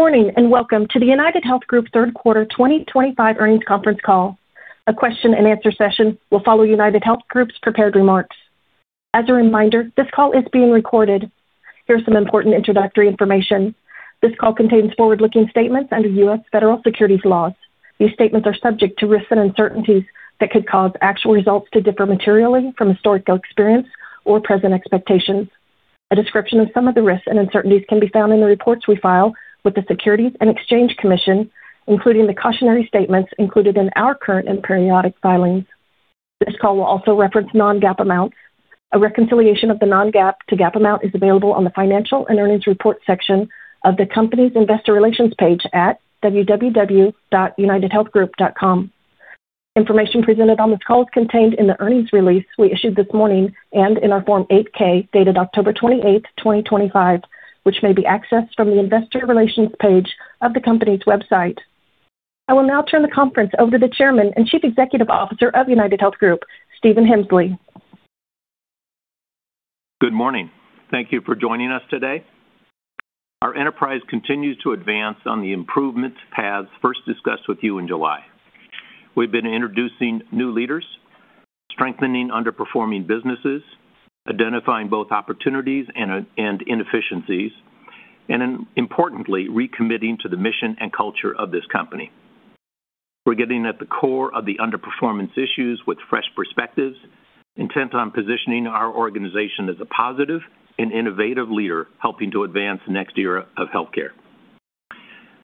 Morning and welcome to the UnitedHealth Group third quarter 2025 earnings conference call. A question and answer session will follow UnitedHealth Group's prepared remarks. As a reminder, this call is being recorded. Here is some important introductory information. This call contains forward-looking statements under U.S. Federal Securities Laws. These statements are subject to risks and uncertainties that could cause actual results to differ materially from historical experience or present expectations. A description of some of the risks and uncertainties can be found in the reports we file with the Securities and Exchange Commission, including the cautionary statements included in our current and periodic filings. This call will also reference non-GAAP amounts. A reconciliation of the non-GAAP to GAAP amount is available on the Financial and Earnings Reports section of the company's investor relations page at www.unitedhealthgroup.com. Information presented on this call is contained in the earnings release we issued this morning and in our Form 8-K dated October 28, 2025, which may be accessed from the investor relations page of the company's website. I will now turn the conference over to the Chairman and Chief Executive Officer of UnitedHealth Group, Stephen Hemsley. Good morning. Thank you for joining us today. Our enterprise continues to advance on the improvement paths first discussed with you in July. We've been introducing new leaders, strengthening underperforming businesses, identifying both opportunities and inefficiencies, and importantly, recommitting to the mission and culture of this company. We're getting at the core of the underperformance issues with fresh perspectives, intent on positioning our organization as a positive and innovative leader helping to advance the next era of healthcare.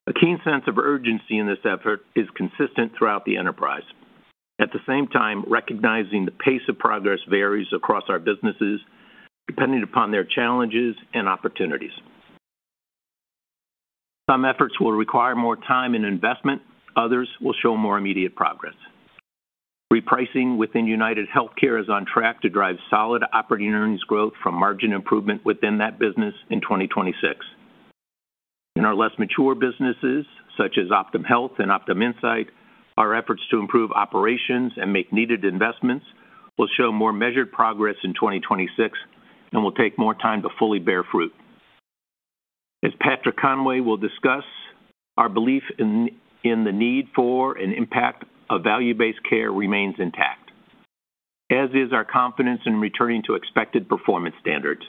A keen sense of urgency in this effort is consistent throughout the enterprise. At the same time, recognizing the pace of progress varies across our businesses depending upon their challenges and opportunities. Some efforts will require more time and investment, others will show more immediate progress. Repricing within UnitedHealthcare is on track to drive solid operating earnings growth from margin improvement within that business in 2026. In our less mature businesses, such as Optum Health and Optum Insight, our efforts to improve operations and make needed investments will show more measured progress in 2026 and will take more time to fully bear fruit. As Patrick Conway will discuss, our belief in the need for and impact of value-based care remains intact, as is our confidence in returning to expected performance standards.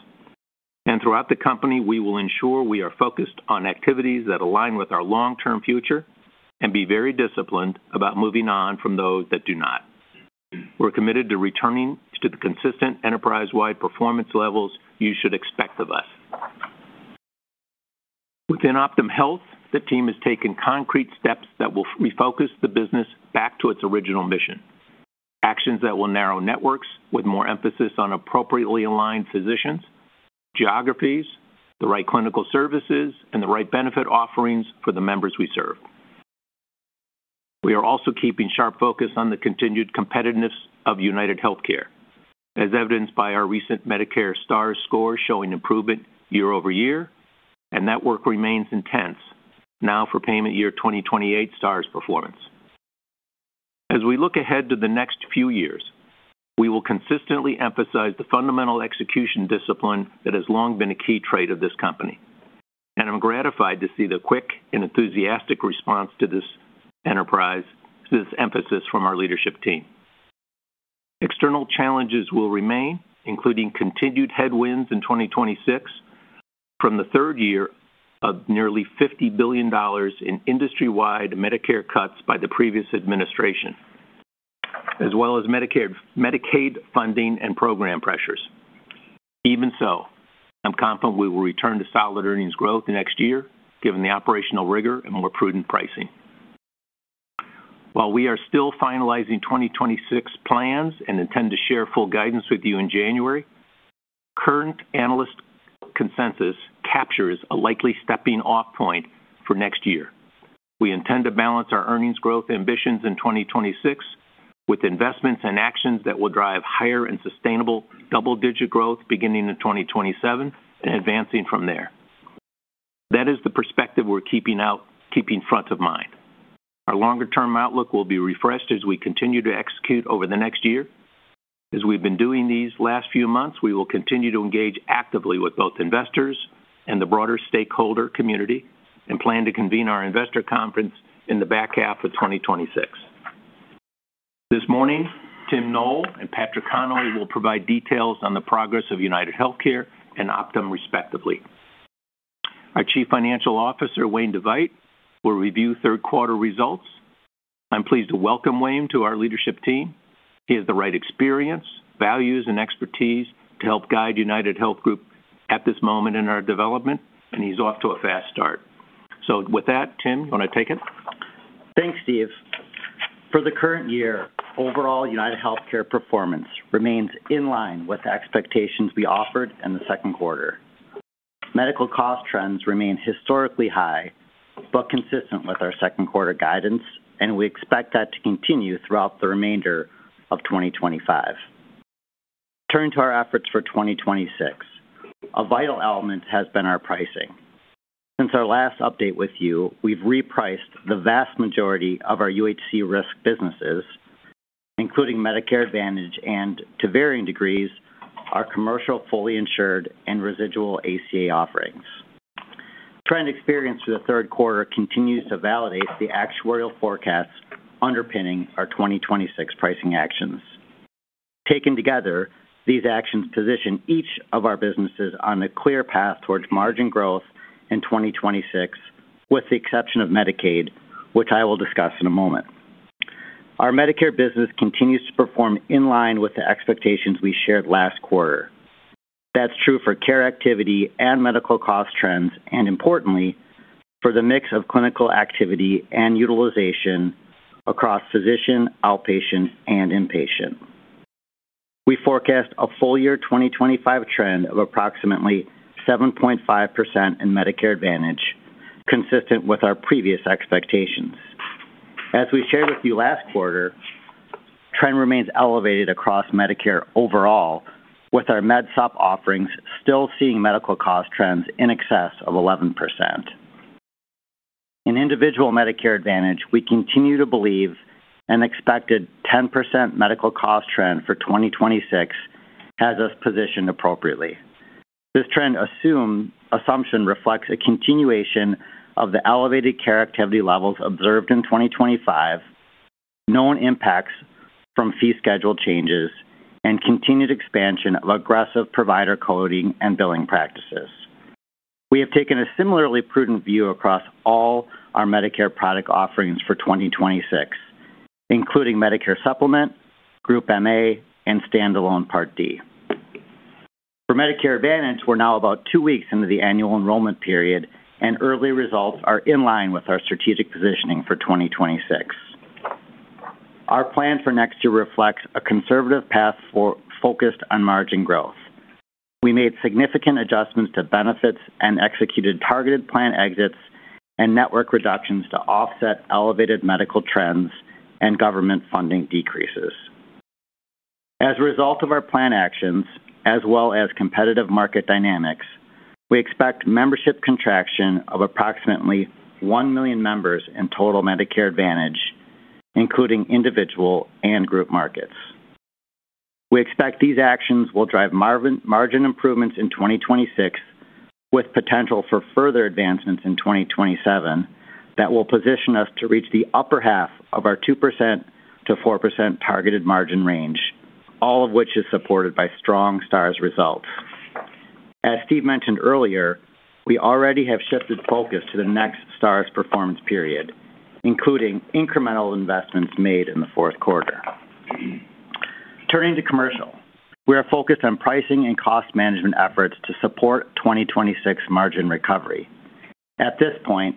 Throughout the company, we will ensure we are focused on activities that align with our long-term future and be very disciplined about moving on from those that do not. We're committed to returning to the consistent enterprise-wide performance levels you should expect of us. Within Optum Health, the team has taken concrete steps that will refocus the business back to its original mission. Actions that will narrow networks with more emphasis on appropriately aligned physicians, geographies, the right clinical services, and the right benefit offerings for the members we serve. We are also keeping sharp focus on the continued competitiveness of UnitedHealthcare, as evidenced by our recent Medicare STARS score showing improvement year-over-year, and that work remains intense now for payment year 2028 STARS performance. As we look ahead to the next few years, we will consistently emphasize the fundamental execution discipline that has long been a key trait of this company. I'm gratified to see the quick and enthusiastic response to this enterprise, this emphasis from our leadership team. External challenges will remain, including continued headwinds in 2026 from the third year of nearly $50 billion in industry-wide Medicare cuts by the previous administration, as well as Medicaid funding and program pressures. Even so, I'm confident we will return to solid earnings growth next year, given the operational rigor and more prudent pricing. While we are still finalizing 2026 plans and intend to share full guidance with you in January, our current analyst consensus captures a likely stepping-off point for next year. We intend to balance our earnings growth ambitions in 2026 with investments and actions that will drive higher and sustainable double-digit growth beginning in 2027 and advancing from there. That is the perspective we're keeping front of mind. Our longer-term outlook will be refreshed as we continue to execute over the next year. As we've been doing these last few months, we will continue to engage actively with both investors and the broader stakeholder community and plan to convene our investor conference in the back half of 2026. This morning, Tim Noel and Patrick Conway will provide details on the progress of UnitedHealthcare and Optum, respectively. Our Chief Financial Officer, Wayne DeVeydt, will review third quarter results. I'm pleased to welcome Wayne to our leadership team. He has the right experience, values, and expertise to help guide UnitedHealth Group at this moment in our development, and he's off to a fast start. With that, Tim, you want to take it? Thanks, Steve. For the current year, overall, UnitedHealthcare performance remains in line with the expectations we offered in the second quarter. Medical cost trends remain historically high but consistent with our second quarter guidance, and we expect that to continue throughout the remainder of 2025. Turning to our efforts for 2026, a vital element has been our pricing. Since our last update with you, we've repriced the vast majority of our UHC risk businesses, including Medicare Advantage and, to varying degrees, our commercial fully insured and residual ACA offerings. Trend experience for the third quarter continues to validate the actuarial forecasts underpinning our 2026 pricing actions. Taken together, these actions position each of our businesses on a clear path towards margin growth in 2026, with the exception of Medicaid, which I will discuss in a moment. Our Medicare business continues to perform in line with the expectations we shared last quarter. That's true for care activity and medical cost trends, and importantly, for the mix of clinical activity and utilization across physician, outpatient, and inpatient. We forecast a full-year 2025 trend of approximately 7.5% in Medicare Advantage, consistent with our previous expectations. As we shared with you last quarter, the trend remains elevated across Medicare overall, with our MedSupp offerings still seeing medical cost trends in excess of 11%. In individual Medicare Advantage, we continue to believe an expected 10% medical cost trend for 2026 has us positioned appropriately. This trend assumption reflects a continuation of the elevated care activity levels observed in 2025, known impacts from fee schedule changes, and continued expansion of aggressive provider coding and billing practices. We have taken a similarly prudent view across all our Medicare product offerings for 2026, including Medicare Supplement, Group MA, and Standalone Part D. For Medicare Advantage, we're now about two weeks into the annual enrollment period, and early results are in line with our strategic positioning for 2026. Our plan for next year reflects a conservative path focused on margin growth. We made significant adjustments to benefits and executed targeted plan exits and network reductions to offset elevated medical trends and government funding decreases. As a result of our plan actions, as well as competitive market dynamics, we expect membership contraction of approximately 1 million members in total Medicare Advantage, including individual and group markets. We expect these actions will drive margin improvements in 2026, with potential for further advancements in 2027 that will position us to reach the upper half of our 2%-4% targeted margin range, all of which is supported by strong STARS results. As Steve mentioned earlier, we already have shifted focus to the next STARS performance period, including incremental investments made in the fourth quarter. Turning to commercial, we are focused on pricing and cost management efforts to support 2026 margin recovery. At this point,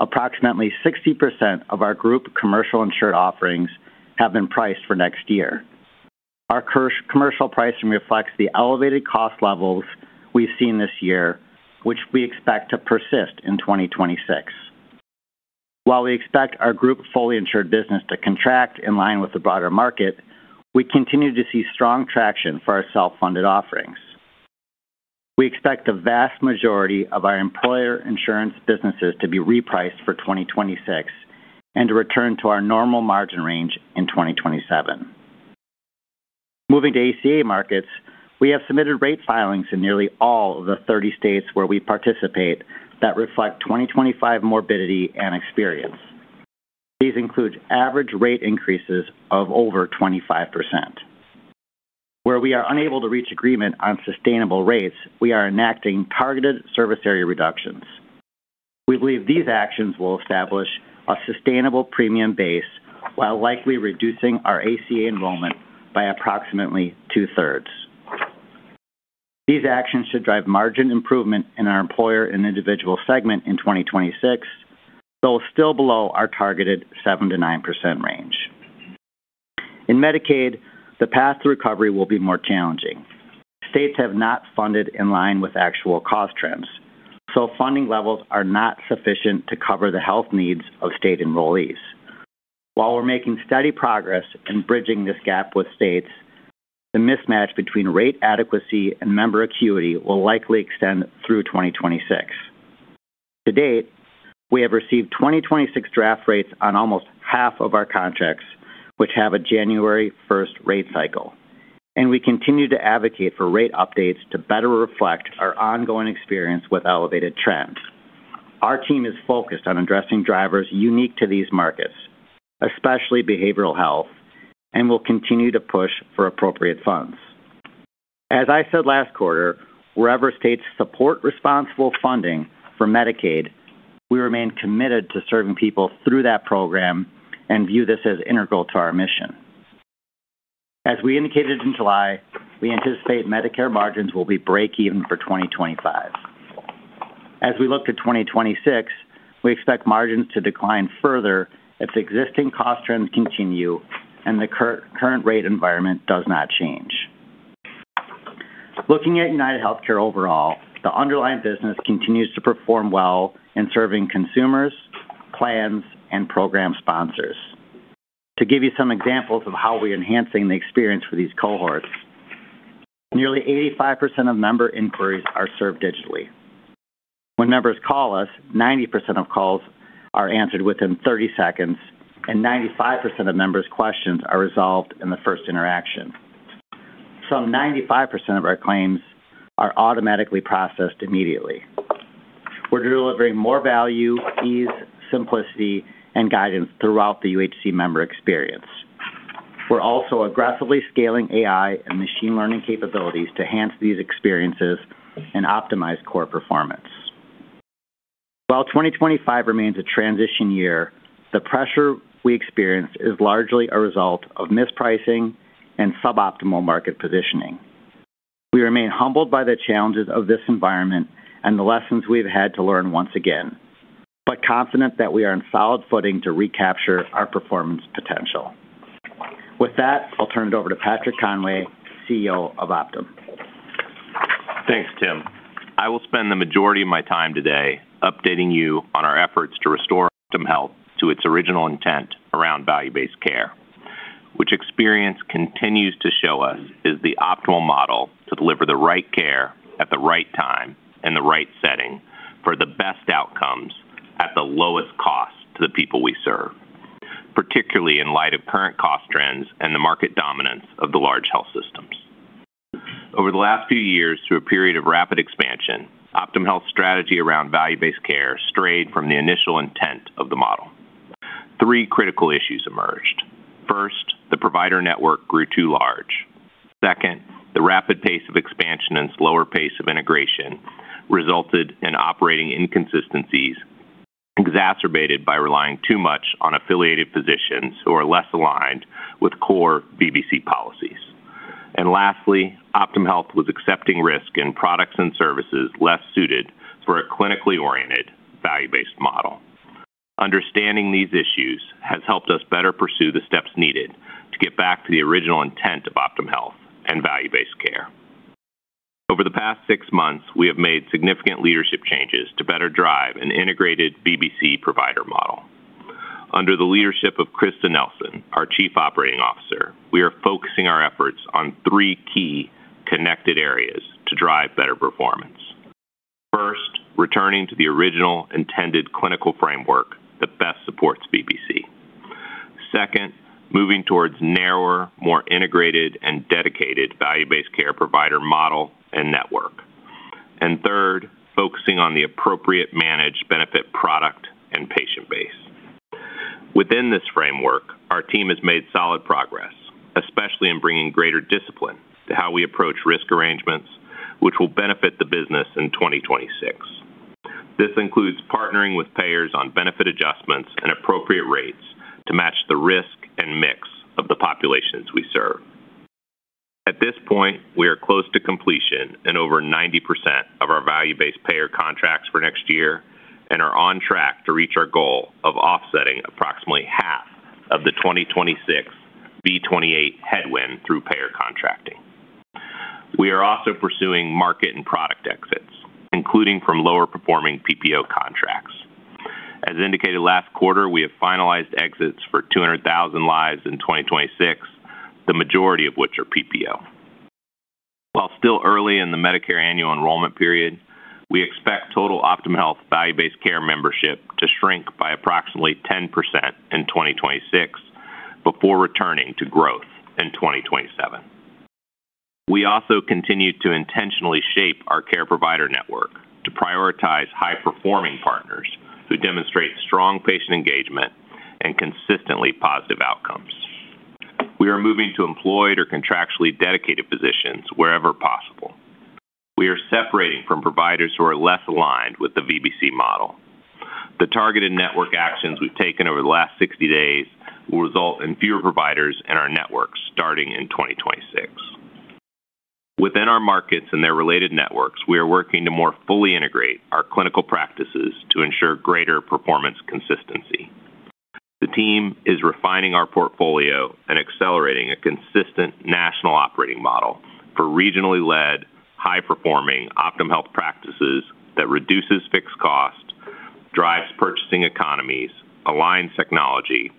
approximately 60% of our group commercial insured offerings have been priced for next year. Our commercial pricing reflects the elevated cost levels we've seen this year, which we expect to persist in 2026. While we expect our group fully insured business to contract in line with the broader market, we continue to see strong traction for our self-funded offerings. We expect the vast majority of our employer insurance businesses to be repriced for 2026 and to return to our normal margin range in 2027. Moving to ACA markets, we have submitted rate filings in nearly all of the 30 states where we participate that reflect 2025 morbidity and experience. These include average rate increases of over 25%. Where we are unable to reach agreement on sustainable rates, we are enacting targeted service area reductions. We believe these actions will establish a sustainable premium base while likely reducing our ACA enrollment by approximately two-thirds. These actions should drive margin improvement in our employer and individual segment in 2026, though still below our targeted 7% -9% range. In Medicaid, the path to recovery will be more challenging. States have not funded in line with actual cost trends, so funding levels are not sufficient to cover the health needs of state enrollees. While we're making steady progress in bridging this gap with states, the mismatch between rate adequacy and member acuity will likely extend through 2026. To date, we have received 2026 draft rates on almost half of our contracts, which have a January 1st rate cycle, and we continue to advocate for rate updates to better reflect our ongoing experience with elevated trends. Our team is focused on addressing drivers unique to these markets, especially behavioral health, and will continue to push for appropriate funds. As I said last quarter, wherever states support responsible funding for Medicaid, we remain committed to serving people through that program and view this as integral to our mission. As we indicated in July, we anticipate Medicare margins will be breakeven for 2025. As we look to 2026, we expect margins to decline further if the existing cost trends continue and the current rate environment does not change. Looking at UnitedHealthcare overall, the underlying business continues to perform well in serving consumers, plans, and program sponsors. To give you some examples of how we're enhancing the experience for these cohorts, nearly 85% of member inquiries are served digitally. When members call us, 90% of calls are answered within 30 seconds, and 95% of members' questions are resolved in the first interaction. Some 95% of our claims are automatically processed immediately. We're delivering more value, ease, simplicity, and guidance throughout the UnitedHealthcare member experience. We're also aggressively scaling AI and machine learning capabilities to enhance these experiences and optimize core performance. While 2025 remains a transition year, the pressure we experienced is largely a result of mispricing and suboptimal market positioning. We remain humbled by the challenges of this environment and the lessons we've had to learn once again, but confident that we are in solid footing to recapture our performance potential. With that, I'll turn it over to Patrick Conway, CEO of Optum. Thanks, Tim. I will spend the majority of my time today updating you on our efforts to restore Optum Health to its original intent around value-based care, which experience continues to show us is the optimal model to deliver the right care at the right time and the right setting for the best outcomes at the lowest cost to the people we serve, particularly in light of current cost trends and the market dominance of the large health systems. Over the last few years, through a period of rapid expansion, Optum Health's strategy around value-based care strayed from the initial intent of the model. Three critical issues emerged. First, the provider network grew too large. Second, the rapid pace of expansion and slower pace of integration resulted in operating inconsistencies, exacerbated by relying too much on affiliated physicians who are less aligned with core VBC policies. Lastly, Optum Health was accepting risk in products and services less suited for a clinically oriented value-based model. Understanding these issues has helped us better pursue the steps needed to get back to the original intent of Optum Health and value-based care. Over the past six months, we have made significant leadership changes to better drive an integrated VBC provider model. Under the leadership of Krista Nelson, our Chief Operating Officer, we are focusing our efforts on three key connected areas to drive better performance. First, returning to the original intended clinical framework that best supports VBC. Second, moving towards a narrower, more integrated, and dedicated value-based care provider model and network. Third, focusing on the appropriate managed benefit product and patient base. Within this framework, our team has made solid progress, especially in bringing greater discipline to how we approach risk arrangements, which will benefit the business in 2026. This includes partnering with payers on benefit adjustments and appropriate rates to match the risk and mix of the populations we serve. At this point, we are close to completion in over 90% of our value-based payer contracts for next year and are on track to reach our goal of offsetting approximately half of the 2026 V28 headwind through payer contracting. We are also pursuing market and product exits, including from lower performing PPO contracts. As indicated last quarter, we have finalized exits for 200,000 lives in 2026, the majority of which are PPO. While still early in the Medicare annual enrollment period, we expect total Optum Health value-based care membership to shrink by approximately 10% in 2026 before returning to growth in 2027. We also continue to intentionally shape our care provider network to prioritize high-performing partners who demonstrate strong patient engagement and consistently positive outcomes. We are moving to employed or contractually dedicated physicians wherever possible. We are separating from providers who are less aligned with the VBC model. The targeted network actions we've taken over the last 60 days will result in fewer providers in our networks starting in 2026. Within our markets and their related networks, we are working to more fully integrate our clinical practices to ensure greater performance consistency. The team is refining our portfolio and accelerating a consistent national operating model for regionally led, high-performing Optum Health practices that reduces fixed cost, drives purchasing economies, aligns technology,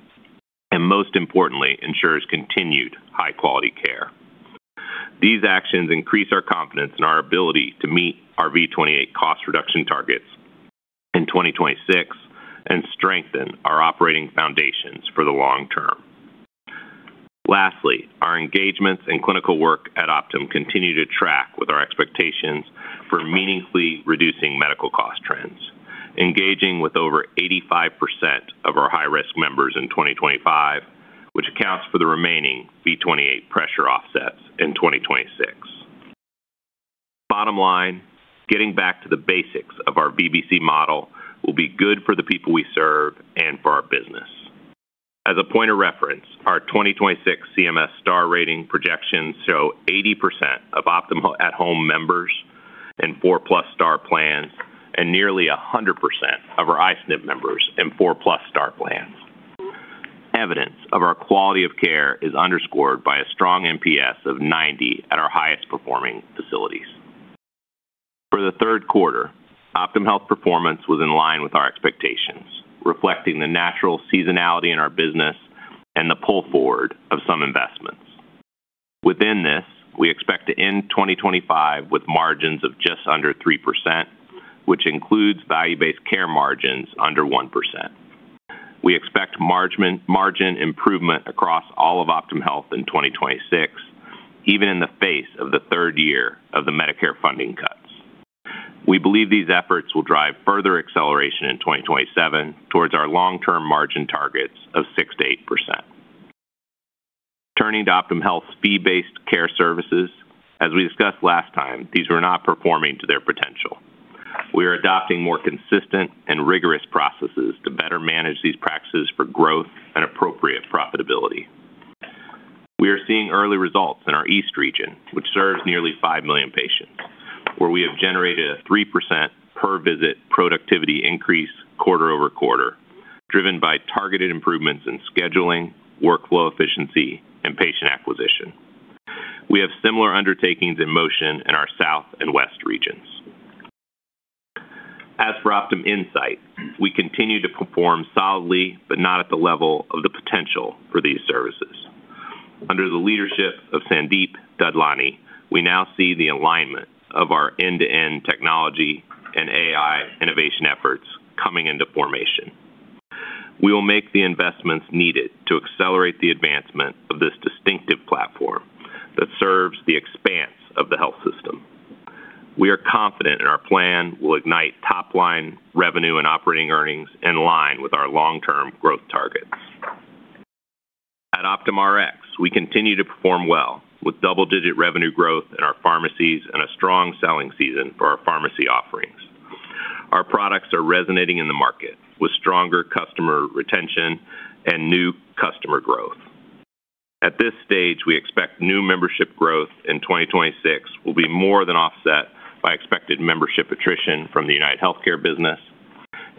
and most importantly, ensures continued high-quality care. These actions increase our confidence in our ability to meet our V28 cost reduction targets in 2026 and strengthen our operating foundations for the long term. Lastly, our engagements and clinical work at Optum continue to track with our expectations for meaningfully reducing medical cost trends, engaging with over 85% of our high-risk members in 2025, which accounts for the remaining V28 pressure offsets in 2026. Bottom line, getting back to the basics of our VBC model will be good for the people we serve and for our business. As a point of reference, our 2026 CMS STAR rating projections show 80% of Optum at-home members in four plus STAR plans and nearly 100% of our ISNP members in four plus STAR plans. Evidence of our quality of care is underscored by a strong NPS of 90 at our highest performing facilities. For the third quarter, Optum Health performance was in line with our expectations, reflecting the natural seasonality in our business and the pull forward of some investments. Within this, we expect to end 2025 with margins of just under 3%, which includes value-based care margins under 1%. We expect margin improvement across all of Optum Health in 2026, even in the face of the third year of the Medicare funding cuts. We believe these efforts will drive further acceleration in 2027 towards our long-term margin targets of 6%-8%. Turning to Optum Health's fee-based care services, as we discussed last time, these were not performing to their potential. We are adopting more consistent and rigorous processes to better manage these practices for growth and appropriate profitability. We are seeing early results in our East region, which serves nearly 5 million patients, where we have generated a 3% per visit productivity increase quarter-over-quarter, driven by targeted improvements in scheduling, workflow efficiency, and patient acquisition. We have similar undertakings in motion in our South and West regions. As for Optum Insight, we continue to perform solidly, but not at the level of the potential for these services. Under the leadership of Sandeep Dadlani, we now see the alignment of our end-to-end technology and AI innovation efforts coming into formation. We will make the investments needed to accelerate the advancement of this distinctive platform that serves the expanse of the health system. We are confident in our plan will ignite top-line revenue and operating earnings in line with our long-term growth targets. At Optum Rx, we continue to perform well with double-digit revenue growth in our pharmacies and a strong selling season for our pharmacy offerings. Our products are resonating in the market with stronger customer retention and new customer growth. At this stage, we expect new membership growth in 2026 will be more than offset by expected membership attrition from the UnitedHealthcare business.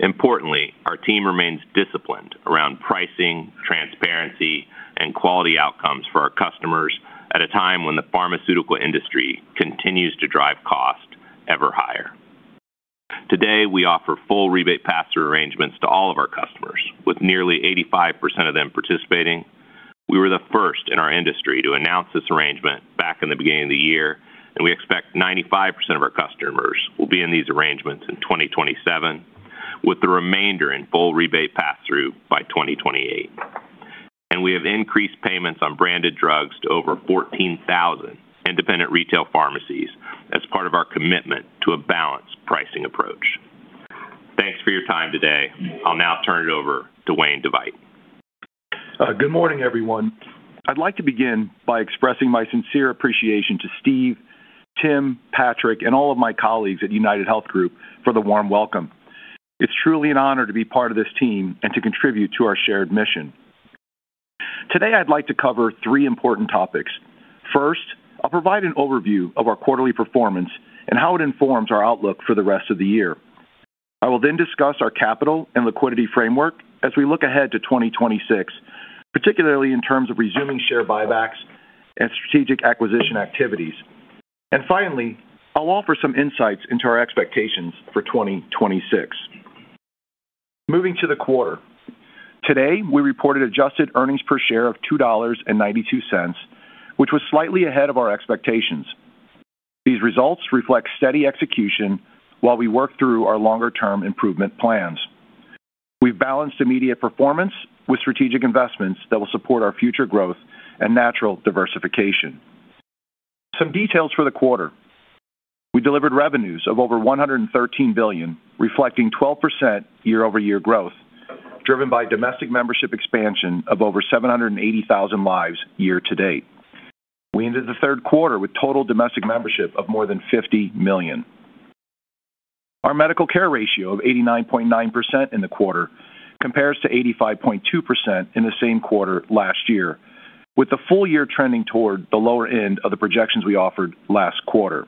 Importantly, our team remains disciplined around pricing, transparency, and quality outcomes for our customers at a time when the pharmaceutical industry continues to drive cost ever higher. Today, we offer full rebate pass-through arrangements to all of our customers, with nearly 85% of them participating. We were the first in our industry to announce this arrangement back in the beginning of the year, and we expect 95% of our customers will be in these arrangements in 2027, with the remainder in full rebate pass-through by 2028. We have increased payments on branded drugs to over 14,000 independent retail pharmacies as part of our commitment to a balanced pricing approach. Thanks for your time today. I'll now turn it over to Wayne DeVeydt. Good morning, everyone. I'd like to begin by expressing my sincere appreciation to Steve, Tim, Patrick, and all of my colleagues at UnitedHealth Group for the warm welcome. It's truly an honor to be part of this team and to contribute to our shared mission. Today, I'd like to cover three important topics. First, I'll provide an overview of our quarterly performance and how it informs our outlook for the rest of the year. I will then discuss our capital and liquidity framework as we look ahead to 2026, particularly in terms of resuming share buybacks and strategic acquisition activities. Finally, I'll offer some insights into our expectations for 2026. Moving to the quarter, today we reported adjusted earnings per share of $2.92, which was slightly ahead of our expectations. These results reflect steady execution while we work through our longer-term improvement plans. We've balanced immediate performance with strategic investments that will support our future growth and natural diversification. Some details for the quarter. We delivered revenues of over $113 billion, reflecting 12% year-over-year growth, driven by domestic membership expansion of over 780,000 lives year to date. We ended the third quarter with total domestic membership of more than 50 million. Our medical care ratio of 89.9% in the quarter compares to 85.2% in the same quarter last year, with the full year trending toward the lower end of the projections we offered last quarter.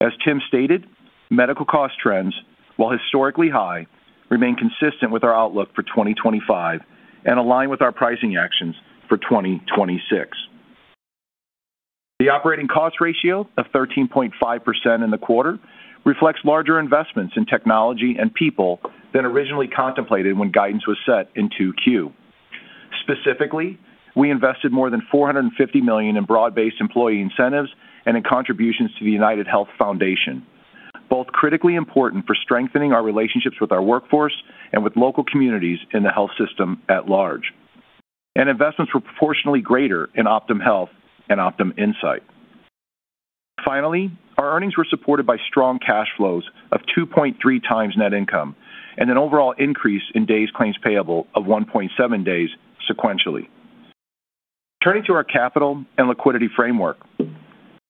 As Tim stated, medical cost trends, while historically high, remain consistent with our outlook for 2025 and align with our pricing actions for 2026. The operating cost ratio of 13.5% in the quarter reflects larger investments in technology and people than originally contemplated when guidance was set in 2Q. Specifically, we invested more than $450 million in broad-based employee incentives and in contributions to the UnitedHealth Foundation, both critically important for strengthening our relationships with our workforce and with local communities in the health system at large. Investments were proportionately greater in Optum Health and Optum Insight. Finally, our earnings were supported by strong cash flows of 2.3x net income and an overall increase in days claims payable of 1.7 days sequentially. Turning to our capital and liquidity framework.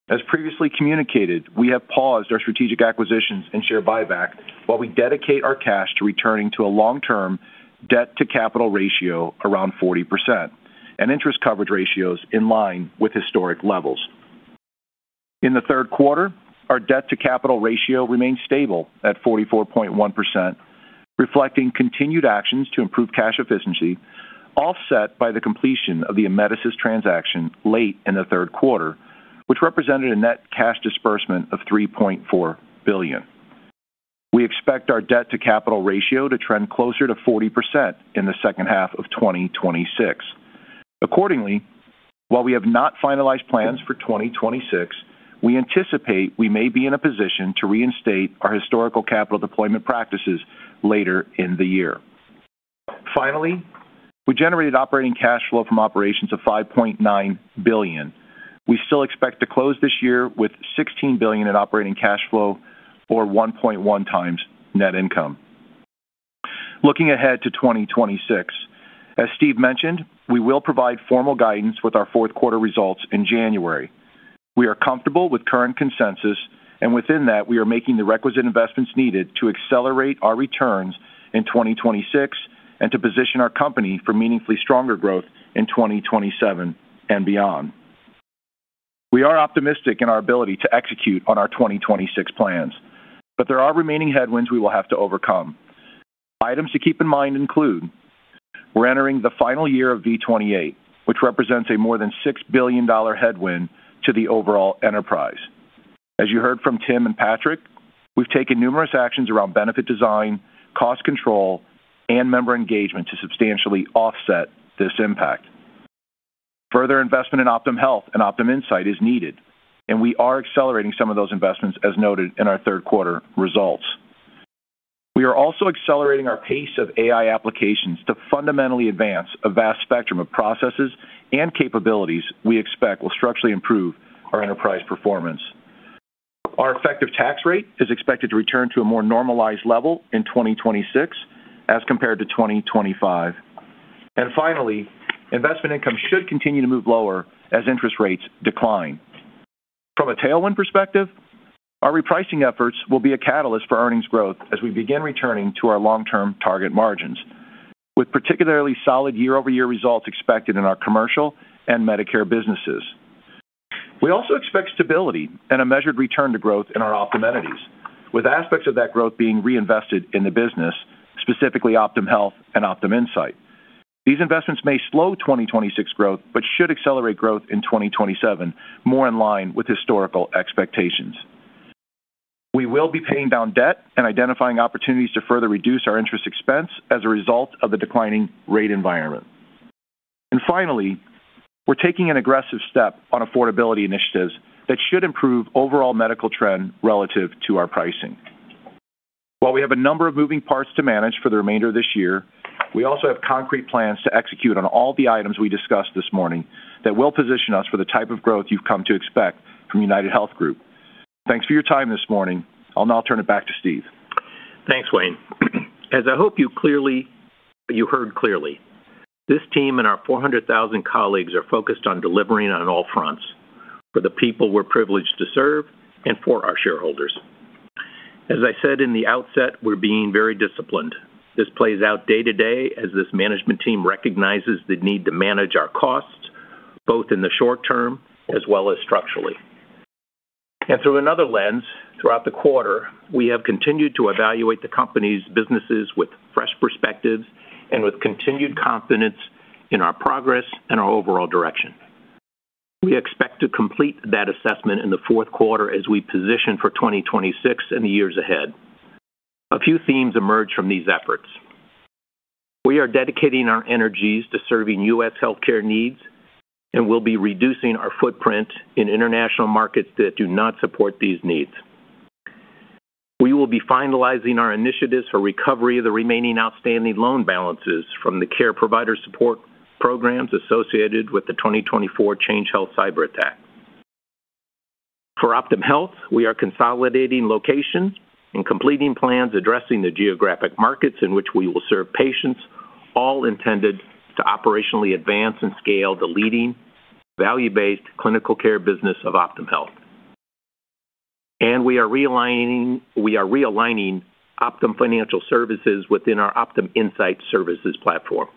As previously communicated, we have paused our strategic acquisitions and share buyback while we dedicate our cash to returning to a long-term debt-to-capital ratio around 40% and interest coverage ratios in line with historic levels. In the third quarter, our debt-to-capital ratio remains stable at 44.1%, reflecting continued actions to improve cash efficiency, offset by the completion of the Amedisys transaction late in the third quarter, which represented a net cash disbursement of $3.4 billion. We expect our debt-to-capital ratio to trend closer to 40% in the second half of 2026. Accordingly, while we have not finalized plans for 2026, we anticipate we may be in a position to reinstate our historical capital deployment practices later in the year. Finally, we generated operating cash flow from operations of $5.9 billion. We still expect to close this year with $16 billion in operating cash flow or 1.1 times net income. Looking ahead to 2026, as Steve mentioned, we will provide formal guidance with our fourth quarter results in January. We are comfortable with current consensus, and within that, we are making the requisite investments needed to accelerate our returns in 2026 and to position our company for meaningfully stronger growth in 2027 and beyond. We are optimistic in our ability to execute on our 2026 plans, but there are remaining headwinds we will have to overcome. Items to keep in mind include: we're entering the final year of V28, which represents a more than $6 billion headwind to the overall enterprise. As you heard from Tim and Patrick, we've taken numerous actions around benefit design, cost control, and member engagement to substantially offset this impact. Further investment in Optum Health and Optum Insight is needed, and we are accelerating some of those investments as noted in our third quarter results. We are also accelerating our pace of AI applications to fundamentally advance a vast spectrum of processes and capabilities we expect will structurally improve our enterprise performance. Our effective tax rate is expected to return to a more normalized level in 2026 as compared to 2025. Investment income should continue to move lower as interest rates decline. From a tailwind perspective, our repricing efforts will be a catalyst for earnings growth as we begin returning to our long-term target margins, with particularly solid year-over-year results expected in our commercial and Medicare businesses. We also expect stability and a measured return to growth in our Optum entities, with aspects of that growth being reinvested in the business, specifically Optum Health and Optum Insight. These investments may slow 2026 growth but should accelerate growth in 2027 more in line with historical expectations. We will be paying down debt and identifying opportunities to further reduce our interest expense as a result of the declining rate environment. Finally, we're taking an aggressive step on affordability initiatives that should improve overall medical trend relative to our pricing. While we have a number of moving parts to manage for the remainder of this year, we also have concrete plans to execute on all the items we discussed this morning that will position us for the type of growth you've come to expect from UnitedHealth Group. Thanks for your time this morning. I'll now turn it back to Steve. Thanks, Wayne. As I hope you heard clearly, this team and our 400,000 colleagues are focused on delivering on all fronts for the people we're privileged to serve and for our shareholders. As I said in the outset, we're being very disciplined. This plays out day to day as this management team recognizes the need to manage our costs, both in the short term as well as structurally. Through another lens, throughout the quarter, we have continued to evaluate the company's businesses with fresh perspectives and with continued confidence in our progress and our overall direction. We expect to complete that assessment in the fourth quarter as we position for 2026 and the years ahead. A few themes emerge from these efforts. We are dedicating our energies to serving U.S. healthcare needs and will be reducing our footprint in international markets that do not support these needs. We will be finalizing our initiatives for recovery of the remaining outstanding loan balances from the care provider support programs associated with the 2024 Change Health cyberattack. For Optum Health, we are consolidating location and completing plans addressing the geographic markets in which we will serve patients, all intended to operationally advance and scale the leading value-based clinical care business of Optum Health. We are realigning Optum Financial Services within our Optum Insight services platform.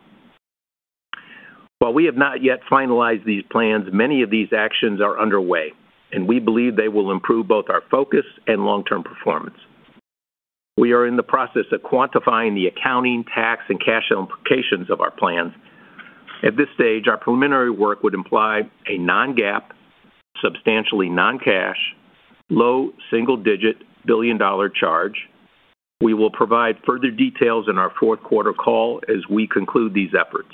While we have not yet finalized these plans, many of these actions are underway, and we believe they will improve both our focus and long-term performance. We are in the process of quantifying the accounting, tax, and cash implications of our plans. At this stage, our preliminary work would imply a non-GAAP, substantially non-cash, low single-digit billion-dollar charge. We will provide further details in our fourth quarter call as we conclude these efforts.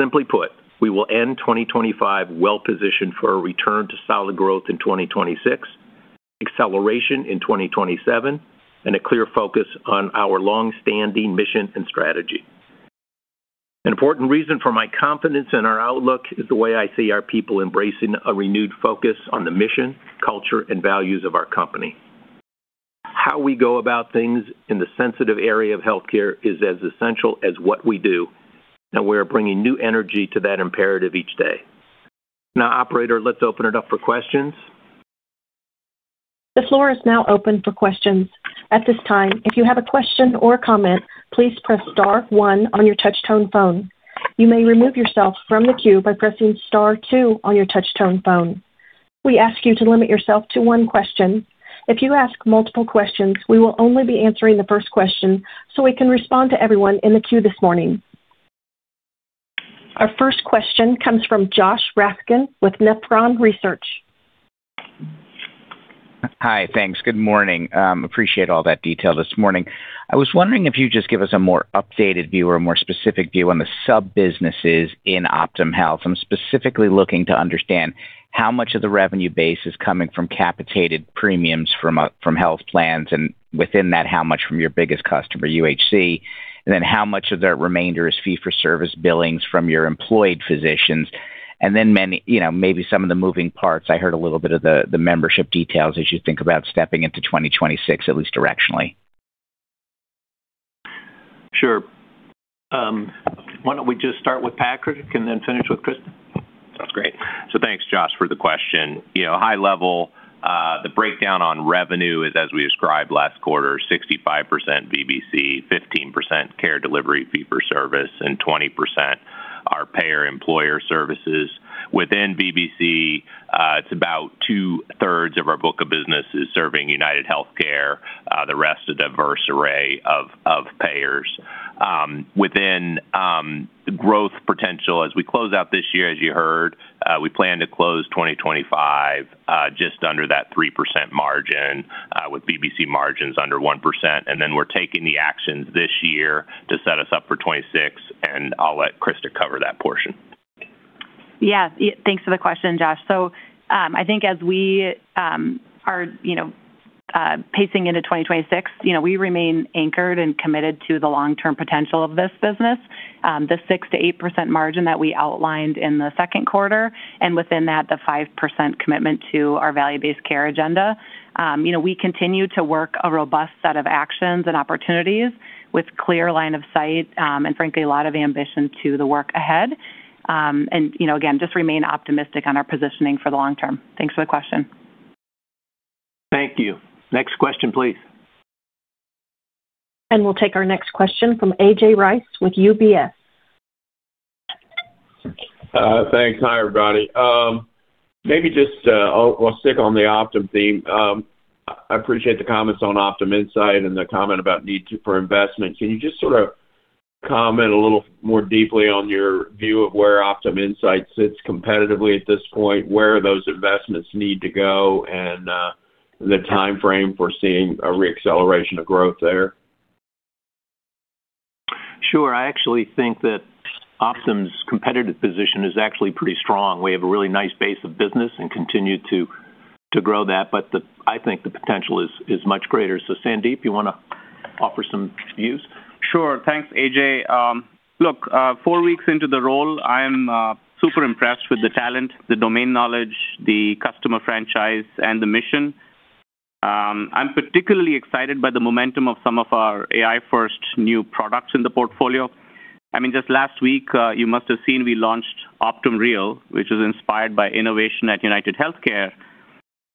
Simply put, we will end 2025 well-positioned for a return to solid growth in 2026, acceleration in 2027, and a clear focus on our long-standing mission and strategy. An important reason for my confidence in our outlook is the way I see our people embracing a renewed focus on the mission, culture, and values of our company. How we go about things in the sensitive area of healthcare is as essential as what we do, and we are bringing new energy to that imperative each day. Now, operator, let's open it up for questions. The floor is now open for questions. At this time, if you have a question or a comment, please press star one on your touch-tone phone. You may remove yourself from the queue by pressing star two on your touch-tone phone. We ask you to limit yourself to one question. If you ask multiple questions, we will only be answering the first question so we can respond to everyone in the queue this morning. Our first question comes from Josh Raskin with Nephron Research. Hi, thanks. Good morning. Appreciate all that detail this morning. I was wondering if you'd just give us a more updated view or a more specific view on the sub-businesses in Optum Health. I'm specifically looking to understand how much of the revenue base is coming from capitated premiums from health plans, and within that, how much from your biggest customer, UHC, and then how much of the remainder is fee-for-service billings from your employed physicians. Maybe some of the moving parts. I heard a little bit of the membership details as you think about stepping into 2026, at least directionally. Sure. Why don't we just start with Patrick and then finish with Krista? That's great. Thanks, Josh, for the question. High level, the breakdown on revenue is, as we described last quarter, 65% VBC, 15% care delivery fee-for-service, and 20% are payer employer services. Within VBC, it's about two-thirds of our book of business is serving UnitedHealthcare, the rest is a diverse array of payers. Within the growth potential, as we close out this year, as you heard, we plan to close 2025 just under that 3% margin with VBC margins under 1%. We're taking the actions this year to set us up for 2026, and I'll let Krista cover that portion. Thank you for the question, Josh. As we are pacing into 2026, we remain anchored and committed to the long-term potential of this business. The 6%-8% margin that we outlined in the second quarter, and within that, the 5% commitment to our value-based care agenda, we continue to work a robust set of actions and opportunities with a clear line of sight and, frankly, a lot of ambition to the work ahead. We remain optimistic on our positioning for the long term. Thank you for the question. Thank you. Next question, please. We'll take our next question from A.J. Rice with UBS. Thanks. Hi, everybody. Maybe I'll stick on the Optum theme. I appreciate the comments on Optum Insight and the comment about need for investment. Can you just sort of comment a little more deeply on your view of where Optum Insight sits competitively at this point, where those investments need to go, and the timeframe for seeing a re-acceleration of growth there? Sure. I actually think that Optum's competitive position is actually pretty strong. We have a really nice base of business and continue to grow that, but I think the potential is much greater. Sandeep, you want to offer some views? Sure. Thanks, A.J. Look, four weeks into the role, I am super impressed with the talent, the domain knowledge, the customer franchise, and the mission. I'm particularly excited by the momentum of some of our AI-first new products in the portfolio. I mean, just last week, you must have seen we launched Optum Real, which is inspired by innovation at UnitedHealthcare.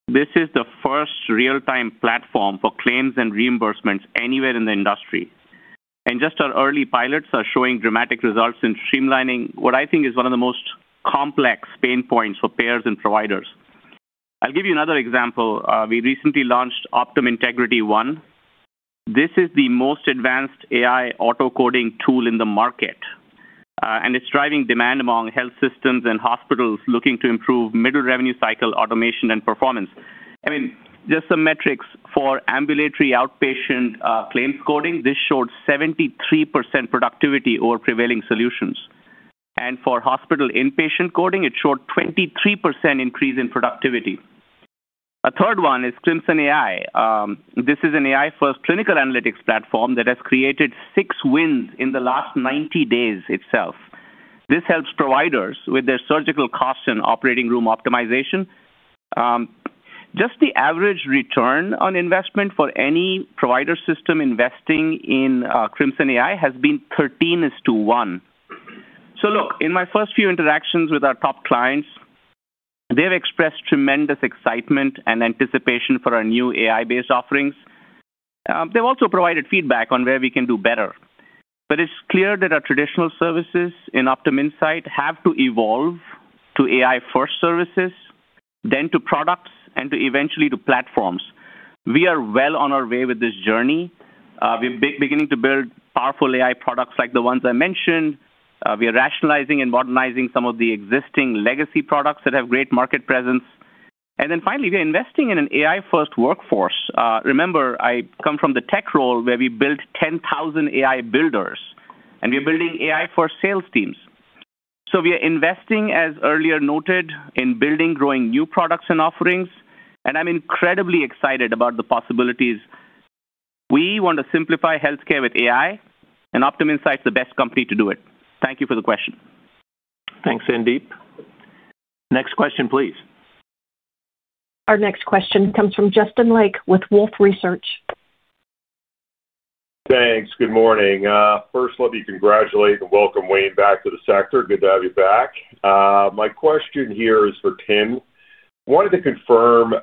This is the first real-time platform for claims and reimbursements anywhere in the industry. Just our early pilots are showing dramatic results in streamlining what I think is one of the most complex pain points for payers and providers. I'll give you another example. We recently launched Optum Integrity One. This is the most advanced AI auto-coding tool in the market, and it's driving demand among health systems and hospitals looking to improve middle revenue cycle automation and performance. Just some metrics for ambulatory outpatient claims coding, this showed 73% productivity over prevailing solutions. For hospital inpatient coding, it showed a 23% increase in productivity. A third one is Crimson AI. This is an AI-first clinical analytics platform that has created six wins in the last 90 days itself. This helps providers with their surgical cost and operating room optimization. The average return on investment for any provider system investing in Crimson AI has been 13/1. In my first few interactions with our top clients, they've expressed tremendous excitement and anticipation for our new AI-based offerings. They've also provided feedback on where we can do better. It's clear that our traditional services in Optum Insight have to evolve to AI-first services, then to products, and eventually to platforms. We are well on our way with this journey. We're beginning to build powerful AI products like the ones I mentioned. We are rationalizing and modernizing some of the existing legacy products that have great market presence. Finally, we are investing in an AI-first workforce. Remember, I come from the tech role where we built 10,000 AI builders, and we're building AI-first sales teams. We are investing, as earlier noted, in building, growing new products and offerings. I'm incredibly excited about the possibilities. We want to simplify healthcare with AI, and Optum Insight is the best company to do it. Thank you for the question. Thanks, Sandeep. Next question, please. Our next question comes from Justin Lake with Wolfe Research. Thanks. Good morning. First, let me congratulate and welcome Wayne back to the sector. Good to have you back. My question here is for Tim. I wanted to confirm,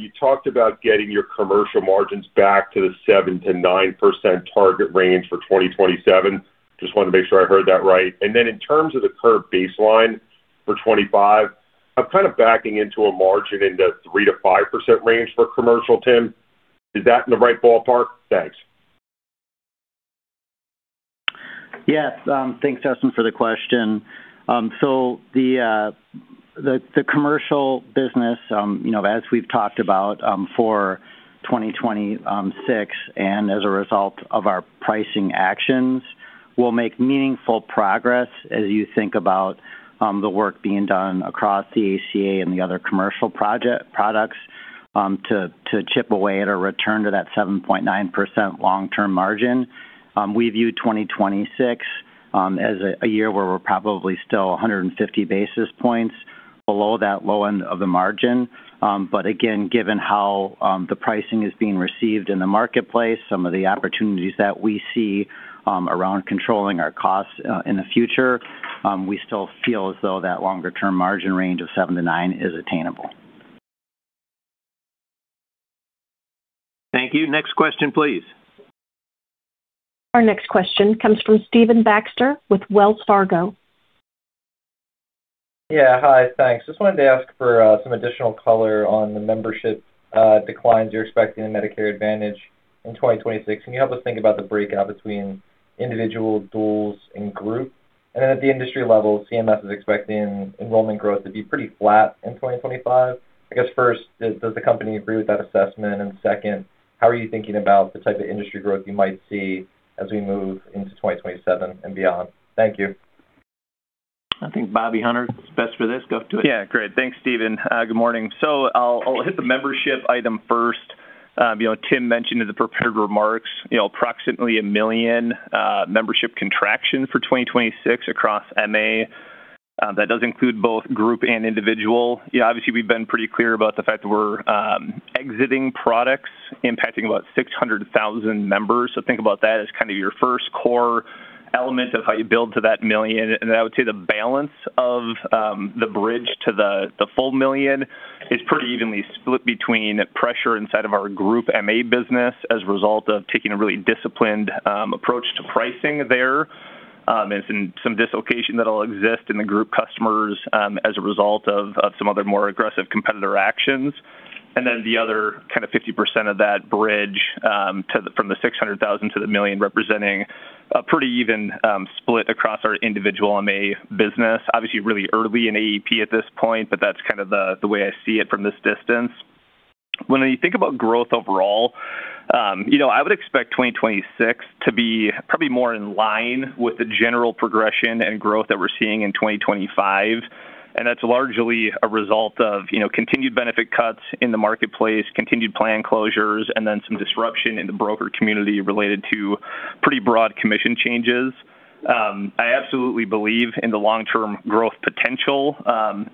you talked about getting your commercial margins back to the 7%-9% target range for 2027. Just wanted to make sure I heard that right. In terms of the current baseline for 2025, I'm kind of backing into a margin in the 3%-5% range for commercial, Tim. Is that in the right ballpark? Thanks. Yes. Thanks, Justin, for the question. The commercial business, you know, as we've talked about for 2026 and as a result of our pricing actions, will make meaningful progress as you think about the work being done across the ACA offerings and the other commercial products to chip away at a return to that 7.9% long-term margin. We view 2026 as a year where we're probably still 150 basis points below that low end of the margin. Again, given how the pricing is being received in the marketplace, some of the opportunities that we see around controlling our costs in the future, we still feel as though that longer-term margin range of 7%-9% is attainable. Thank you. Next question, please. Our next question comes from Stephen Baxter with Wells Fargo. Hi. Thanks. Just wanted to ask for some additional color on the membership declines you're expecting in Medicare Advantage in 2026. Can you help us think about the breakdown between individual duals and group? At the industry level, MA is expecting enrollment growth to be pretty flat in 2025. I guess first, does the company agree with that assessment? Second, how are you thinking about the type of industry growth you might see as we move into 2027 and beyond? Thank you. I think Bobby Hunter is best for this. Go to it. Yeah. Great. Thanks, Stephen. Good morning. I'll hit the membership item first. Tim mentioned in the prepared remarks approximately a million membership contractions for 2026 across MA. That does include both group and individual. We've been pretty clear about the fact that we're exiting products impacting about 600,000 members. Think about that as your first core element of how you build to that million. I would say the balance of the bridge to the full million is pretty evenly split between pressure inside of our group MA business as a result of taking a really disciplined approach to pricing there, and some dislocation that will exist in the group customers as a result of some other more aggressive competitor actions. The other 50% of that bridge from the 600,000 to the million represents a pretty even split across our individual MA business. Obviously, really early in AEP at this point, but that's the way I see it from this distance. When you think about growth overall, I would expect 2026 to be probably more in line with the general progression and growth that we're seeing in 2025. That's largely a result of continued benefit cuts in the marketplace, continued plan closures, and some disruption in the broker community related to pretty broad commission changes. I absolutely believe in the long-term growth potential of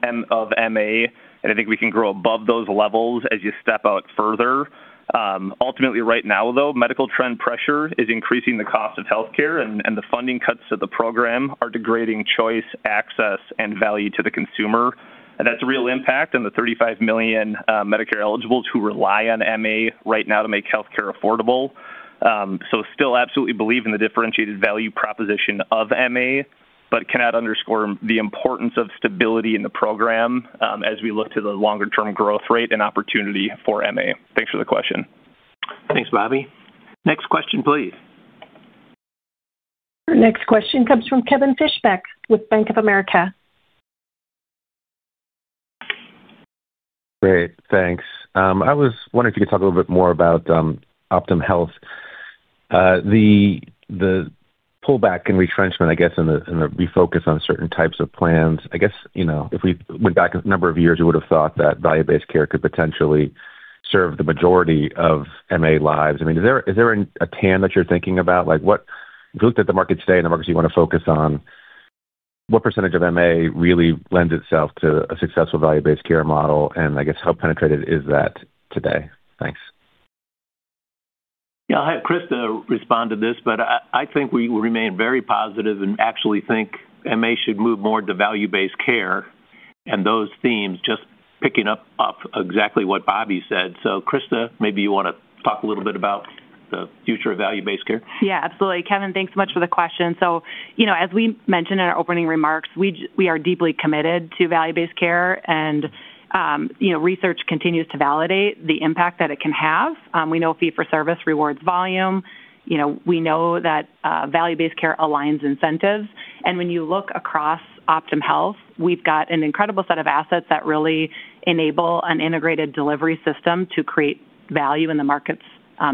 MA, and I think we can grow above those levels as you step out further. Ultimately, right now, medical trend pressure is increasing the cost of healthcare, and the funding cuts to the program are degrading choice, access, and value to the consumer. That's a real impact on the 35 million Medicare eligibles who rely on MA right now to make healthcare affordable. I still absolutely believe in the differentiated value proposition of MA, but cannot underscore the importance of stability in the program as we look to the longer-term growth rate and opportunity for MA. Thanks for the question. Thanks, Bobby. Next question, please. Our next question comes from Kevin Fischbeck with Bank of America. Great. Thanks. I was wondering if you could talk a little bit more about Optum Health. The pullback and retrenchment, I guess, and the refocus on certain types of plans. If we went back a number of years, we would have thought that value-based care could potentially serve the majority of MA lives. Is there a TAM that you're thinking about? If you looked at the market today and the markets you want to focus on, what percentage of MA really lends itself to a successful value-based care model, and how penetrated is that today? Thanks. Yeah. I'll have Krista respond to this, but I think we remain very positive and actually think MA should move more to value-based care and those themes, just picking up off exactly what Bobby said. Krista, maybe you want to talk a little bit about the future of value-based care? Yeah, absolutely. Kevin, thanks so much for the question. As we mentioned in our opening remarks, we are deeply committed to value-based care, and research continues to validate the impact that it can have. We know fee-for-service rewards volume. We know that value-based care aligns incentives. When you look across Optum Health, we've got an incredible set of assets that really enable an integrated delivery system to create value in the markets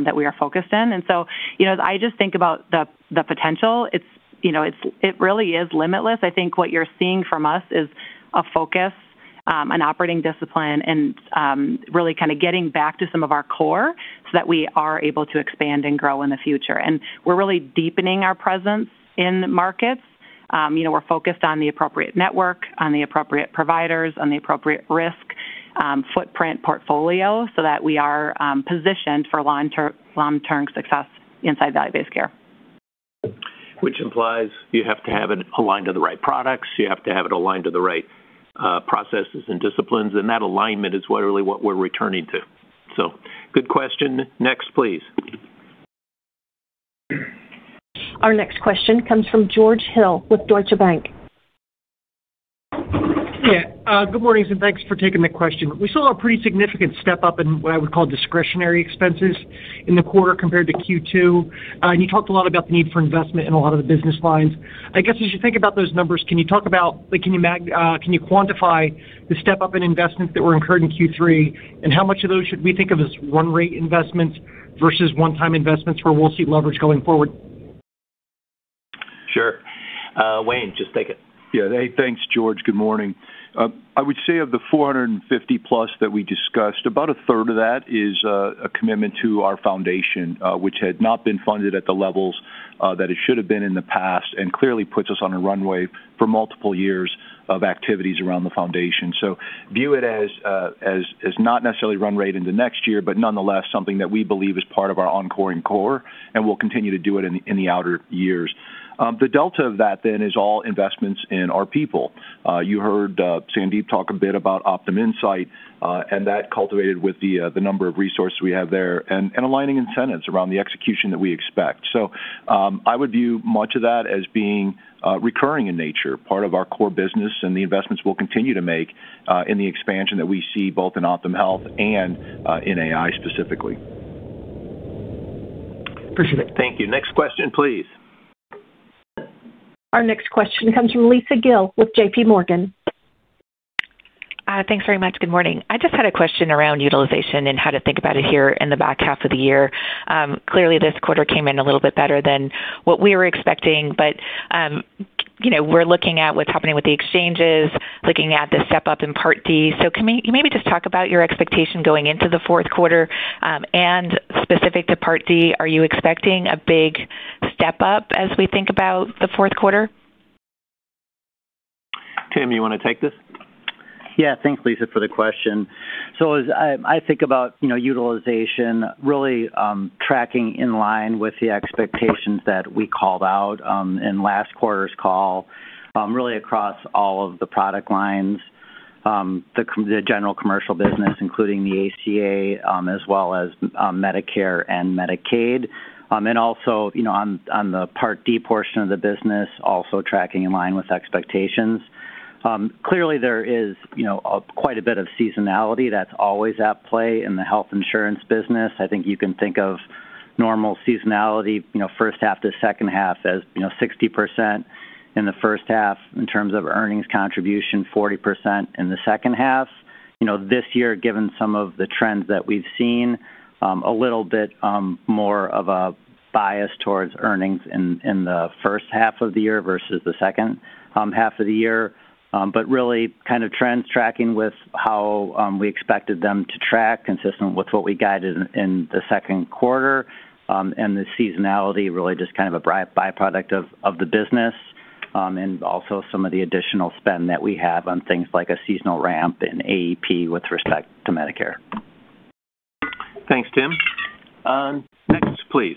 that we are focused in. As I just think about the potential, it really is limitless. I think what you're seeing from us is a focus, an operating discipline, and really kind of getting back to some of our core so that we are able to expand and grow in the future. We're really deepening our presence in markets. We're focused on the appropriate network, on the appropriate providers, on the appropriate risk footprint portfolio so that we are positioned for long-term success inside value-based care. Which implies you have to have it aligned to the right products. You have to have it aligned to the right processes and disciplines. That alignment is really what we're returning to. Good question. Next, please. Our next question comes from George Hill with Deutsche Bank. Yeah. Good morning, and thanks for taking the question. We saw a pretty significant step up in what I would call discretionary expenses in the quarter compared to Q2. You talked a lot about the need for investment in a lot of the business lines. I guess as you think about those numbers, can you talk about, can you quantify the step up in investments that were incurred in Q3 and how much of those should we think of as run rate investments versus one-time investments where we'll see leverage going forward? Sure. Wayne, just take it. Yeah. Hey, thanks, George. Good morning. I would say of the $450+ million that we discussed, about a third of that is a commitment to our foundation, which had not been funded at the levels that it should have been in the past and clearly puts us on a runway for multiple years of activities around the foundation. View it as not necessarily run rate in the next year, but nonetheless, something that we believe is part of our core and will continue to do it in the outer years. The delta of that then is all investments in our people. You heard Sandeep talk a bit about Optum Insight and that culminated with the number of resources we have there and aligning incentives around the execution that we expect. I would view much of that as being recurring in nature, part of our core business, and the investments we'll continue to make in the expansion that we see both in Optum Health and in AI specifically. Appreciate it. Thank you. Next question, please. Our next question comes from Lisa Gill with JPMorgan. Thanks very much. Good morning. I just had a question around utilization and how to think about it here in the back half of the year. Clearly, this quarter came in a little bit better than what we were expecting, but we're looking at what's happening with the exchanges, looking at the step up in Part D. Can you maybe just talk about your expectation going into the fourth quarter? Specific to Part D, are you expecting a big step up as we think about the fourth quarter? Tim, you want to take this? Yeah. Thanks, Lisa, for the question. As I think about utilization, really tracking in line with the expectations that we called out in last quarter's call, really across all of the product lines, the general commercial business, including the ACA offerings, as well as Medicare and Medicaid. Also, on the Part D portion of the business, also tracking in line with expectations. Clearly, there is quite a bit of seasonality that's always at play in the health insurance business. I think you can think of normal seasonality, first half to second half as 60% in the first half in terms of earnings contribution, 40% in the second half. This year, given some of the trends that we've seen, a little bit more of a bias towards earnings in the first half of the year versus the second half of the year. Really, kind of trends tracking with how we expected them to track, consistent with what we guided in the second quarter. The seasonality really just kind of a byproduct of the business and also some of the additional spend that we have on things like a seasonal ramp in AEP with respect to Medicare. Thanks, Tim. Next, please.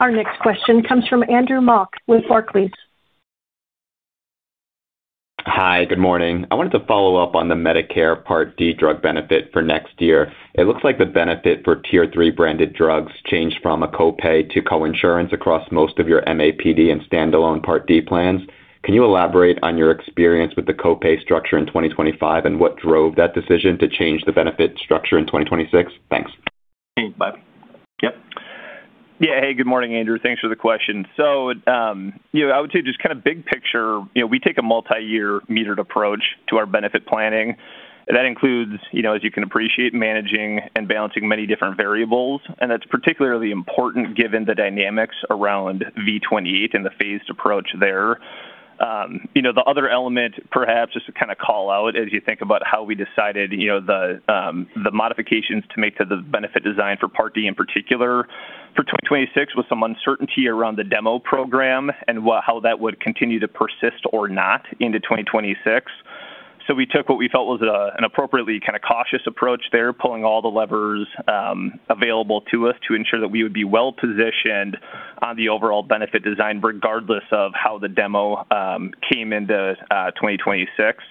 Our next question comes from Andrew Mok with Barclays. Hi, good morning. I wanted to follow up on the Medicare Part D drug benefit for next year. It looks like the benefit for Tier III branded drugs changed from a copay to co-insurance across most of your MAPD and standalone Part D plans. Can you elaborate on your experience with the copay structure in 2025 and what drove that decision to change the benefit structure in 2026? Thanks. Thanks, Bobby. Yep. Yeah. Hey, good morning, Andrew. Thanks for the question. I would say just kind of big picture, we take a multi-year metered approach to our benefit planning. That includes, as you can appreciate, managing and balancing many different variables. That's particularly important given the dynamics around V28 and the phased approach there. The other element, perhaps, just to kind of call out as you think about how we decided the modifications to make to the benefit design for Part D in particular for 2026 was some uncertainty around the demo program and how that would continue to persist or not into 2026. We took what we felt was an appropriately kind of cautious approach there, pulling all the levers available to us to ensure that we would be well positioned on the overall benefit design regardless of how the demo came into 2026.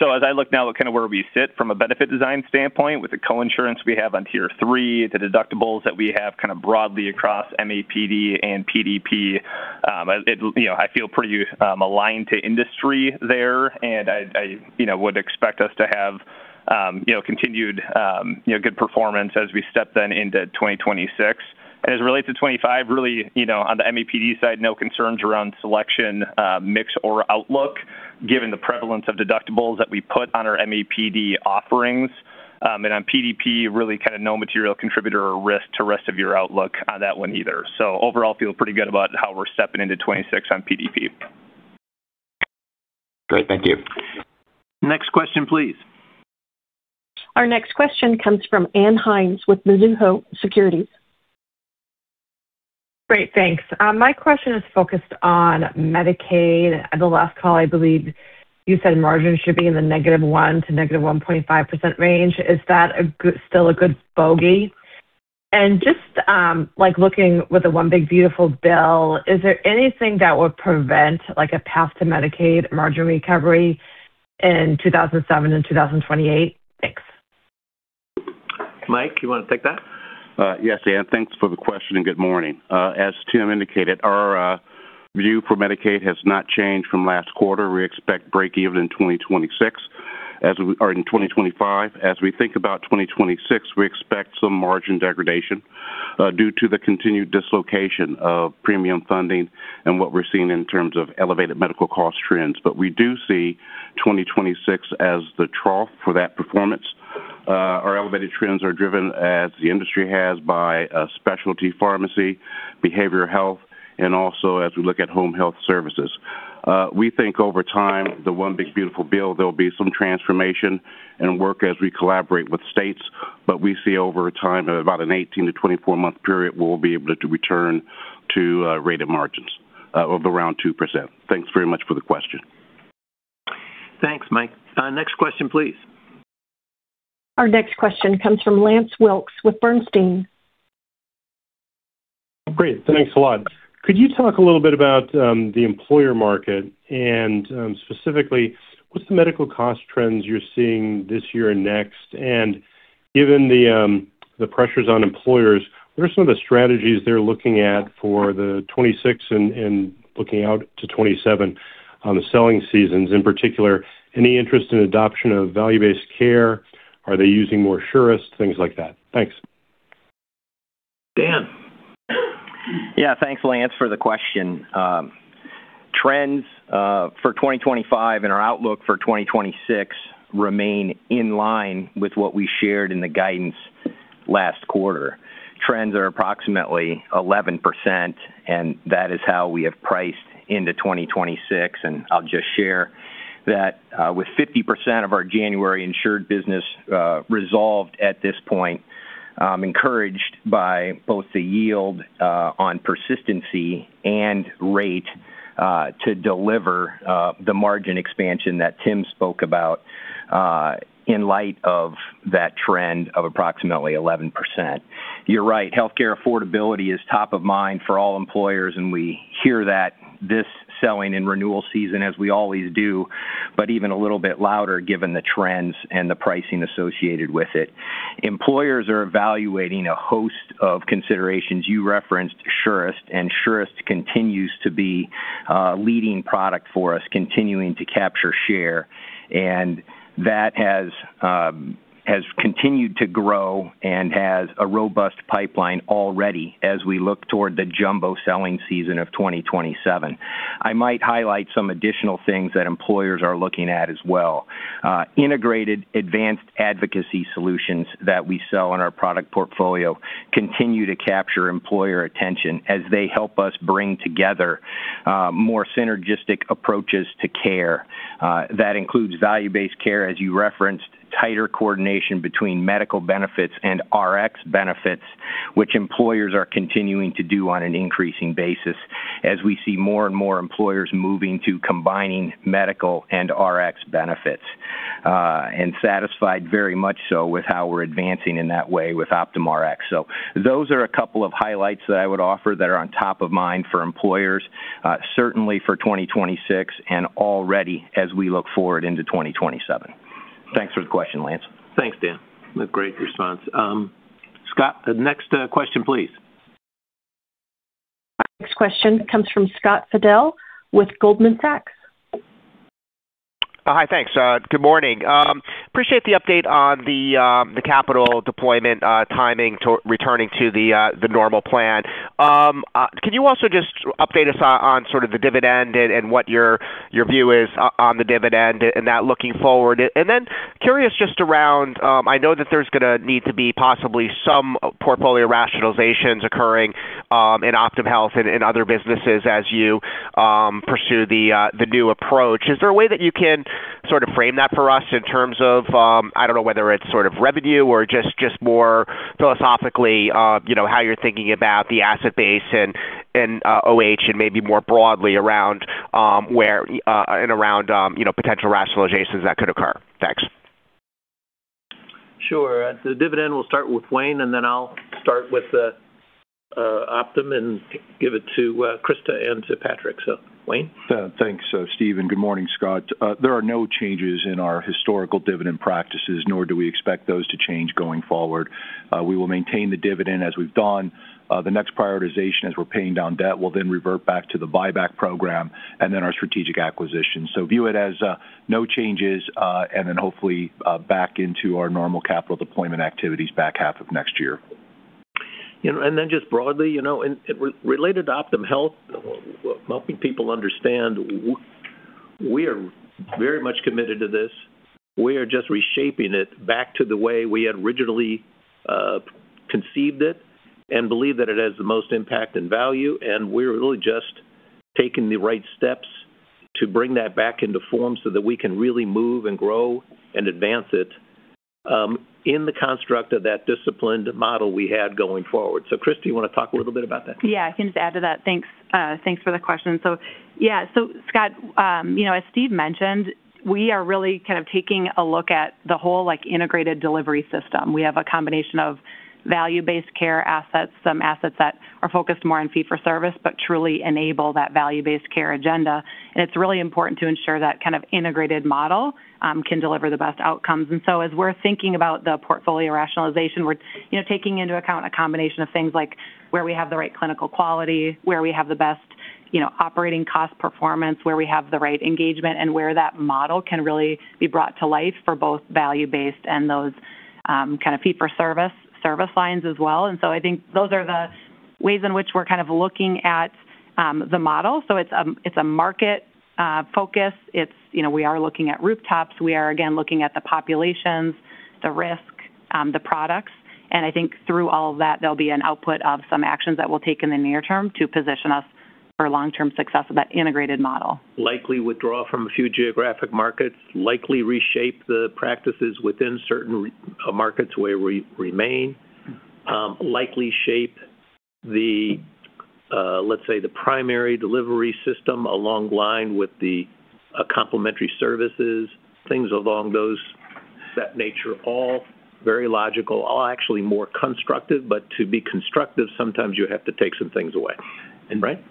As I look now at kind of where we sit from a benefit design standpoint with the co-insurance we have on Tier III, the deductibles that we have kind of broadly across MAPD and PDP, I feel pretty aligned to industry there. I would expect us to have continued good performance as we step then into 2026. As it relates to 2025, really, on the MAPD side, no concerns around selection mix or outlook, given the prevalence of deductibles that we put on our MAPD offerings. On PDP, really kind of no material contributor or risk to the rest of your outlook on that one either. Overall, I feel pretty good about how we're stepping into 2026 on PDP. Great. Thank you. Next question, please. Our next question comes from Ann Hynes with Mizuho Securities. Great, thanks. My question is focused on Medicaid. The last call, I believe you said margins should be in the -1% to -1.5% range. Is that still a good bogey? Just looking with one big beautiful bill, is there anything that would prevent a path to Medicaid margin recovery in 2027 and 2028? Thanks. Mike, you want to take that? Yes, Anne. Thanks for the question and good morning. As Tim indicated, our view for Medicaid has not changed from last quarter. We expect break even in 2026 or in 2025. As we think about 2026, we expect some margin degradation due to the continued dislocation of premium funding and what we're seeing in terms of elevated medical cost trends. We do see 2026 as the trough for that performance. Our elevated trends are driven, as the industry has, by specialty pharmacy, behavioral health, and also as we look at home health services. We think over time, the one big beautiful bill, there'll be some transformation and work as we collaborate with states. We see over a time, about an 18 to 24-month period, we'll be able to return to rated margins of around 2%. Thanks very much for the question. Thanks, Mike. Next question, please. Our next question comes from Lance Wilkes with Bernstein. Great. Thanks a lot. Could you talk a little bit about the employer market and specifically what's the medical cost trends you're seeing this year and next? Given the pressures on employers, what are some of the strategies they're looking at for 2026 and looking out to 2027 on the selling seasons? In particular, any interest in adoption of value-based care? Are they using more Surest? Things like that. Thanks. Dan. Yeah. Thanks, Lance, for the question. Trends for 2025 and our outlook for 2026 remain in line with what we shared in the guidance last quarter. Trends are approximately 11%, and that is how we have priced into 2026. I'll just share that with 50% of our January insured business resolved at this point, encouraged by both the yield on persistency and rate to deliver the margin expansion that Tim spoke about in light of that trend of approximately 11%. You're right. Healthcare affordability is top of mind for all employers, and we hear that this selling and renewal season, as we always do, but even a little bit louder given the trends and the pricing associated with it. Employers are evaluating a host of considerations. You referenced Surest, and Surest continues to be a leading product for us, continuing to capture share. That has continued to grow and has a robust pipeline already as we look toward the jumbo selling season of 2027. I might highlight some additional things that employers are looking at as well. Integrated advanced advocacy solutions that we sell in our product portfolio continue to capture employer attention as they help us bring together more synergistic approaches to care. That includes value-based care, as you referenced, tighter coordination between medical benefits and Rx benefits, which employers are continuing to do on an increasing basis as we see more and more employers moving to combining medical and Rx benefits. Satisfied very much so with how we're advancing in that way with Optum Rx. Those are a couple of highlights that I would offer that are on top of mind for employers, certainly for 2026 and already as we look forward into 2027. Thanks for the question, Lance. Thanks, Dan. Great response. Scott, next question, please. Our next question comes from Scott Fidel with Goldman Sachs. Hi, thanks. Good morning. Appreciate the update on the capital deployment timing returning to the normal plan. Can you also just update us on the dividend and what your view is on the dividend and that looking forward? Curious just around, I know that there's going to need to be possibly some portfolio rationalizations occurring in Optum Health and other businesses as you pursue the new approach. Is there a way that you can sort of frame that for us in terms of, I don't know whether it's sort of revenue or just more philosophically, you know, how you're thinking about the asset base and Optum Health and maybe more broadly around where and around, you know, potential rationalizations that could occur? Thanks. Sure. At the dividend, we'll start with Wayne, and then I'll start with Optum and give it to Krista and to Patrick. Wayne. Thanks, Steve, and good morning, Scott. There are no changes in our historical dividend practices, nor do we expect those to change going forward. We will maintain the dividend as we've done. The next prioritization as we're paying down debt will then revert back to the buyback program and then our strategic acquisitions. View it as no changes and then hopefully back into our normal capital deployment activities back half of next year. Related to Optum Health, helping people understand, we are very much committed to this. We are just reshaping it back to the way we had originally conceived it and believe that it has the most impact and value. We are really just taking the right steps to bring that back into form so that we can really move and grow and advance it in the construct of that disciplined model we had going forward. Krista, you want to talk a little bit about that? Yeah, I can just add to that. Thanks. Thanks for the question. Scott, you know, as Steve mentioned, we are really kind of taking a look at the whole integrated delivery system. We have a combination of value-based care assets, some assets that are focused more on fee-for-service, but truly enable that value-based care agenda. It's really important to ensure that kind of integrated model can deliver the best outcomes. As we're thinking about the portfolio rationalization, we're taking into account a combination of things like where we have the right clinical quality, where we have the best operating cost performance, where we have the right engagement, and where that model can really be brought to life for both value-based and those fee-for-service service lines as well. I think those are the ways in which we're kind of looking at the model. It's a market focus. We are looking at rooftops. We are, again, looking at the populations, the risk, the products. I think through all of that, there'll be an output of some actions that we'll take in the near term to position us for long-term success of that integrated model. Likely withdraw from a few geographic markets, likely reshape the practices within certain markets where we remain, likely shape the, let's say, the primary delivery system along line with the complementary services, things along those lines. All very logical, all actually more constructive. To be constructive, sometimes you have to take some things away. Right.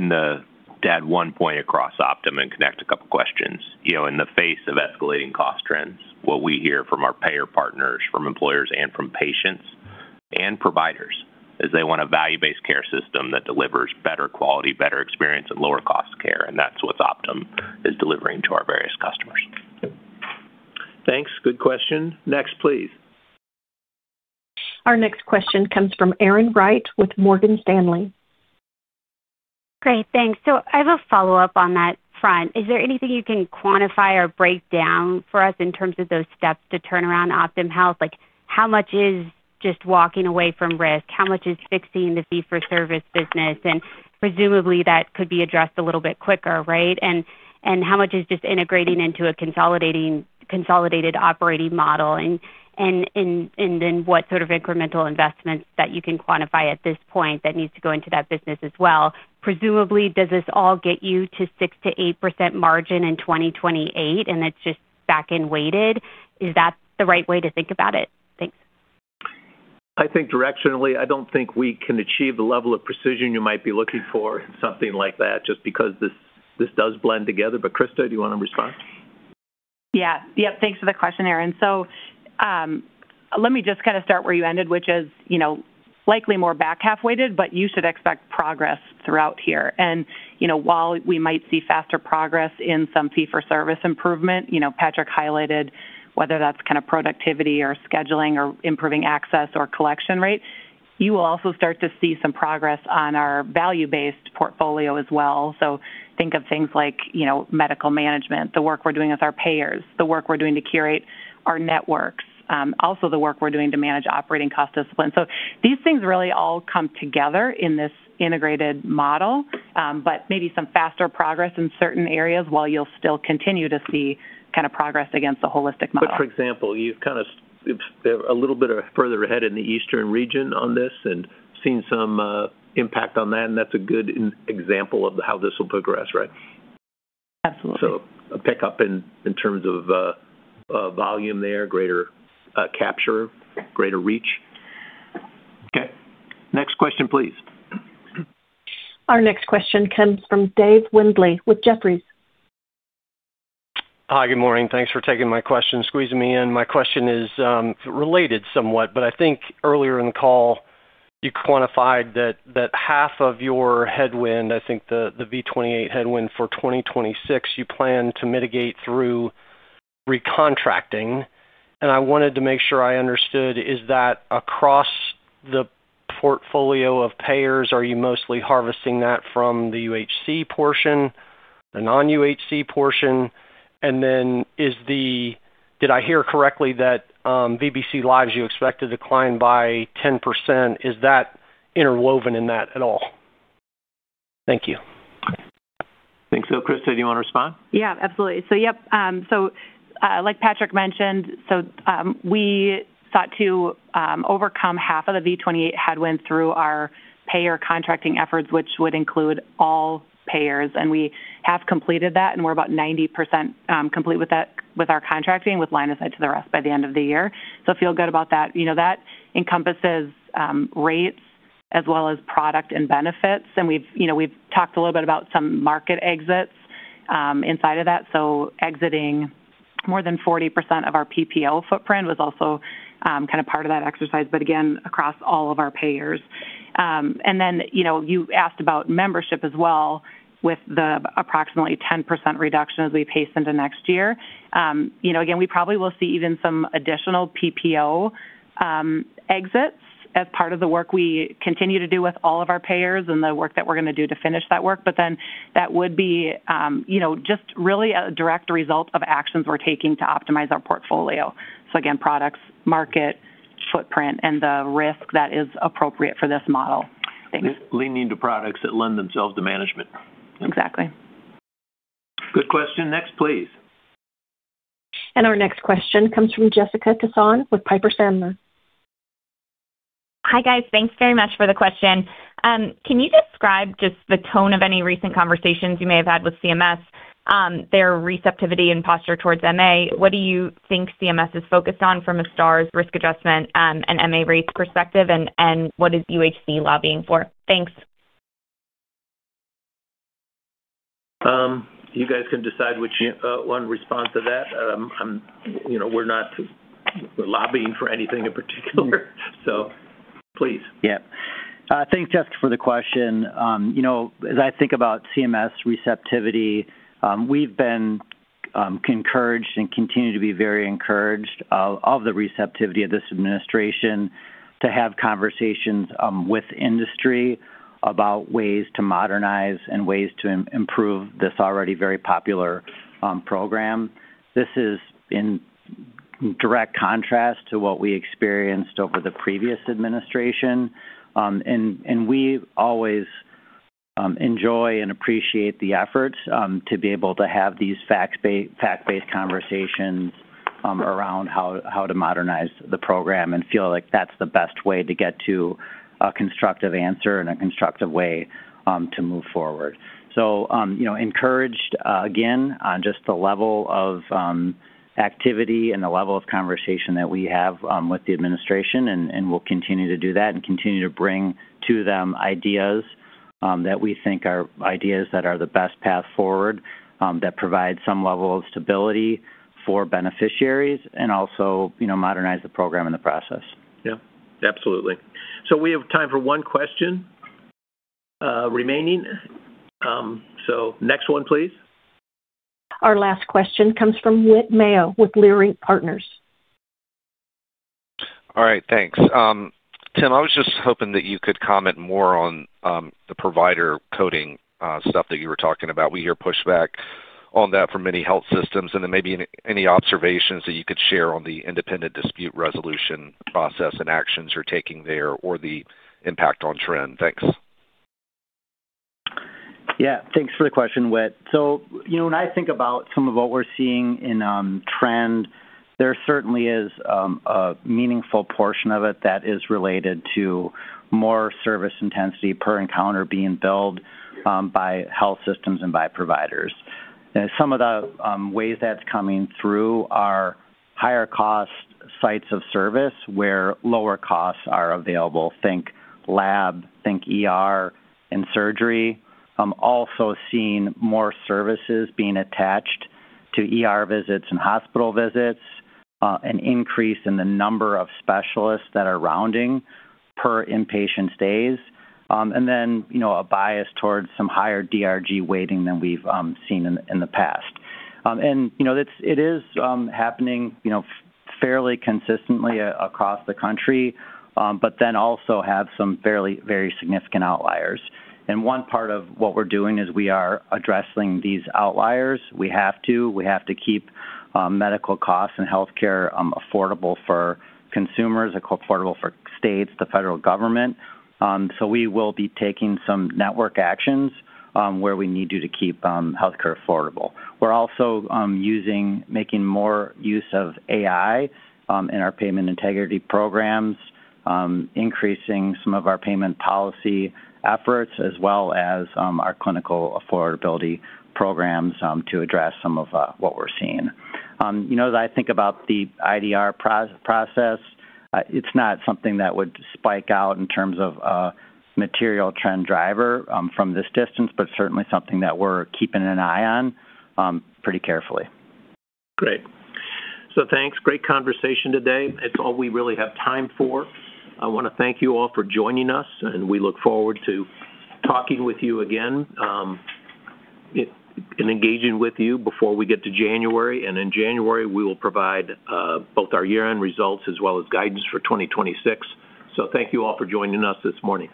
Just to add one point across Optum and connect a couple of questions, in the face of escalating cost trends, what we hear from our payer partners, from employers, and from patients and providers is they want a value-based care system that delivers better quality, better experience, and lower cost care. That's what Optum is delivering to our various customers. Thanks. Good question. Next, please. Our next question comes from Erin Wright with Morgan Stanley. Great. Thanks. I have a follow-up on that front. Is there anything you can quantify or break down for us in terms of those steps to turn around Optum Health? Like how much is just walking away from risk? How much is fixing the fee-for-service business? Presumably, that could be addressed a little bit quicker, right? How much is just integrating into a consolidated operating model? What sort of incremental investments that you can quantify at this point that needs to go into that business as well? Presumably, does this all get you to 6%-8% margin in 2028? That's just back-end weighted. Is that the right way to think about it? Thanks. I think directionally, I don't think we can achieve the level of precision you might be looking for in something like that just because this does blend together. Krista, do you want to respond? Yeah. Yep. Thanks for the question, Erin. Let me just kind of start where you ended, which is, you know, likely more back half weighted, but you should expect progress throughout here. You know, while we might see faster progress in some fee-for-service improvement, Patrick highlighted whether that's kind of productivity or scheduling or improving access or collection rate, you will also start to see some progress on our value-based portfolio as well. Think of things like, you know, medical management, the work we're doing with our payers, the work we're doing to curate our networks, also the work we're doing to manage operating cost discipline. These things really all come together in this integrated model, but maybe some faster progress in certain areas while you'll still continue to see kind of progress against the holistic model. For example, you've kind of a little bit further ahead in the Eastern region on this and seen some impact on that. That's a good example of how this will progress, right? Absolutely. A pickup in terms of volume there, greater capture, greater reach. Okay. Next question, please. Our next question comes from Dave Windley with Jefferies. Hi, good morning. Thanks for taking my question, squeezing me in. My question is related somewhat, but I think earlier in the call, you quantified that half of your headwind, I think the V28 headwind for 2026, you plan to mitigate through re-contracting. I wanted to make sure I understood, is that across the portfolio of payers? Are you mostly harvesting that from the UHC portion, the non-UHC portion? Did I hear correctly that VBC lives, you expect to decline by 10%? Is that interwoven in that at all? Thank you. Thanks. Krista, do you want to respond? Yeah, absolutely. Like Patrick mentioned, we sought to overcome half of the V28 headwind through our payer contracting efforts, which would include all payers. We have completed that, and we're about 90% complete with our contracting with line of sight to the rest by the end of the year. I feel good about that. That encompasses rates as well as product and benefits. We've talked a little bit about some market exits inside of that. Exiting more than 40% of our PPO footprint was also kind of part of that exercise, again, across all of our payers. You asked about membership as well with the approximately 10% reduction as we pace into next year. We probably will see even some additional PPO exits as part of the work we continue to do with all of our payers and the work that we're going to do to finish that work. That would be just really a direct result of actions we're taking to optimize our portfolio. Again, products, market footprint, and the risk that is appropriate for this model. Thanks. Leaning to products that lend themselves to management. Exactly. Good question. Next, please. Our next question comes from Jessica Tassan with Piper Sandler. Hi guys, thanks very much for the question. Can you describe just the tone of any recent conversations you may have had with CMS, their receptivity and posture towards MA? What do you think CMS is focused on from a STARS, risk adjustment, and MA rates perspective? What is UHC lobbying for? Thanks. You guys can decide which one responds to that. We're not lobbying for anything in particular, so please. Thanks, Jessica, for the question. As I think about CMS receptivity, we've been encouraged and continue to be very encouraged by the receptivity of this administration to have conversations with industry about ways to modernize and ways to improve this already very popular program. This is in direct contrast to what we experienced over the previous administration. We always enjoy and appreciate the efforts to be able to have these fact-based conversations around how to modernize the program and feel like that's the best way to get to a constructive answer and a constructive way to move forward. Encouraged again on just the level of activity and the level of conversation that we have with the administration, and we'll continue to do that and continue to bring to them ideas that we think are the best path forward that provide some level of stability for beneficiaries and also, you know, modernize the program and the process. Yeah, absolutely. We have time for one question remaining. Next one, please. Our last question comes from Whit Mayo with Leerink Partners. All right, thanks. Tim, I was just hoping that you could comment more on the provider coding stuff that you were talking about. We hear pushback on that from many health systems, and maybe any observations that you could share on the independent dispute resolution process and actions you're taking there or the impact on trend. Thanks. Yeah, thanks for the question, Whit. When I think about some of what we're seeing in trend, there certainly is a meaningful portion of it that is related to more service intensity per encounter being billed by health systems and by providers. Some of the ways that's coming through are higher cost sites of service where lower costs are available. Think lab, think surgery. I'm also seeing more services being attached to visits and hospital visits, an increase in the number of specialists that are rounding per inpatient stays, and then, you know, a bias towards some higher DRG than we've seen in the past. You know it is happening fairly consistently across the country, but also have some very significant outliers. One part of what we're doing is we are addressing these outliers. We have to. We have to keep medical costs and health care affordable for consumers, affordable for states, the federal government. We will be taking some network actions where we need to keep health care affordable. We're also making more use of AI in our payment integrity programs, increasing some of our payment policy efforts, as well as our clinical affordability programs to address some of what we're seeing. I think about the IDR process. It's not something that would spike out in terms of a material trend driver from this distance, but certainly something that we're keeping an eye on pretty carefully. Great. Thanks. Great conversation today. That's all we really have time for. I want to thank you all for joining us, and we look forward to talking with you again and engaging with you before we get to January. In January, we will provide both our year-end results as well as guidance for 2026. Thank you all for joining us this morning.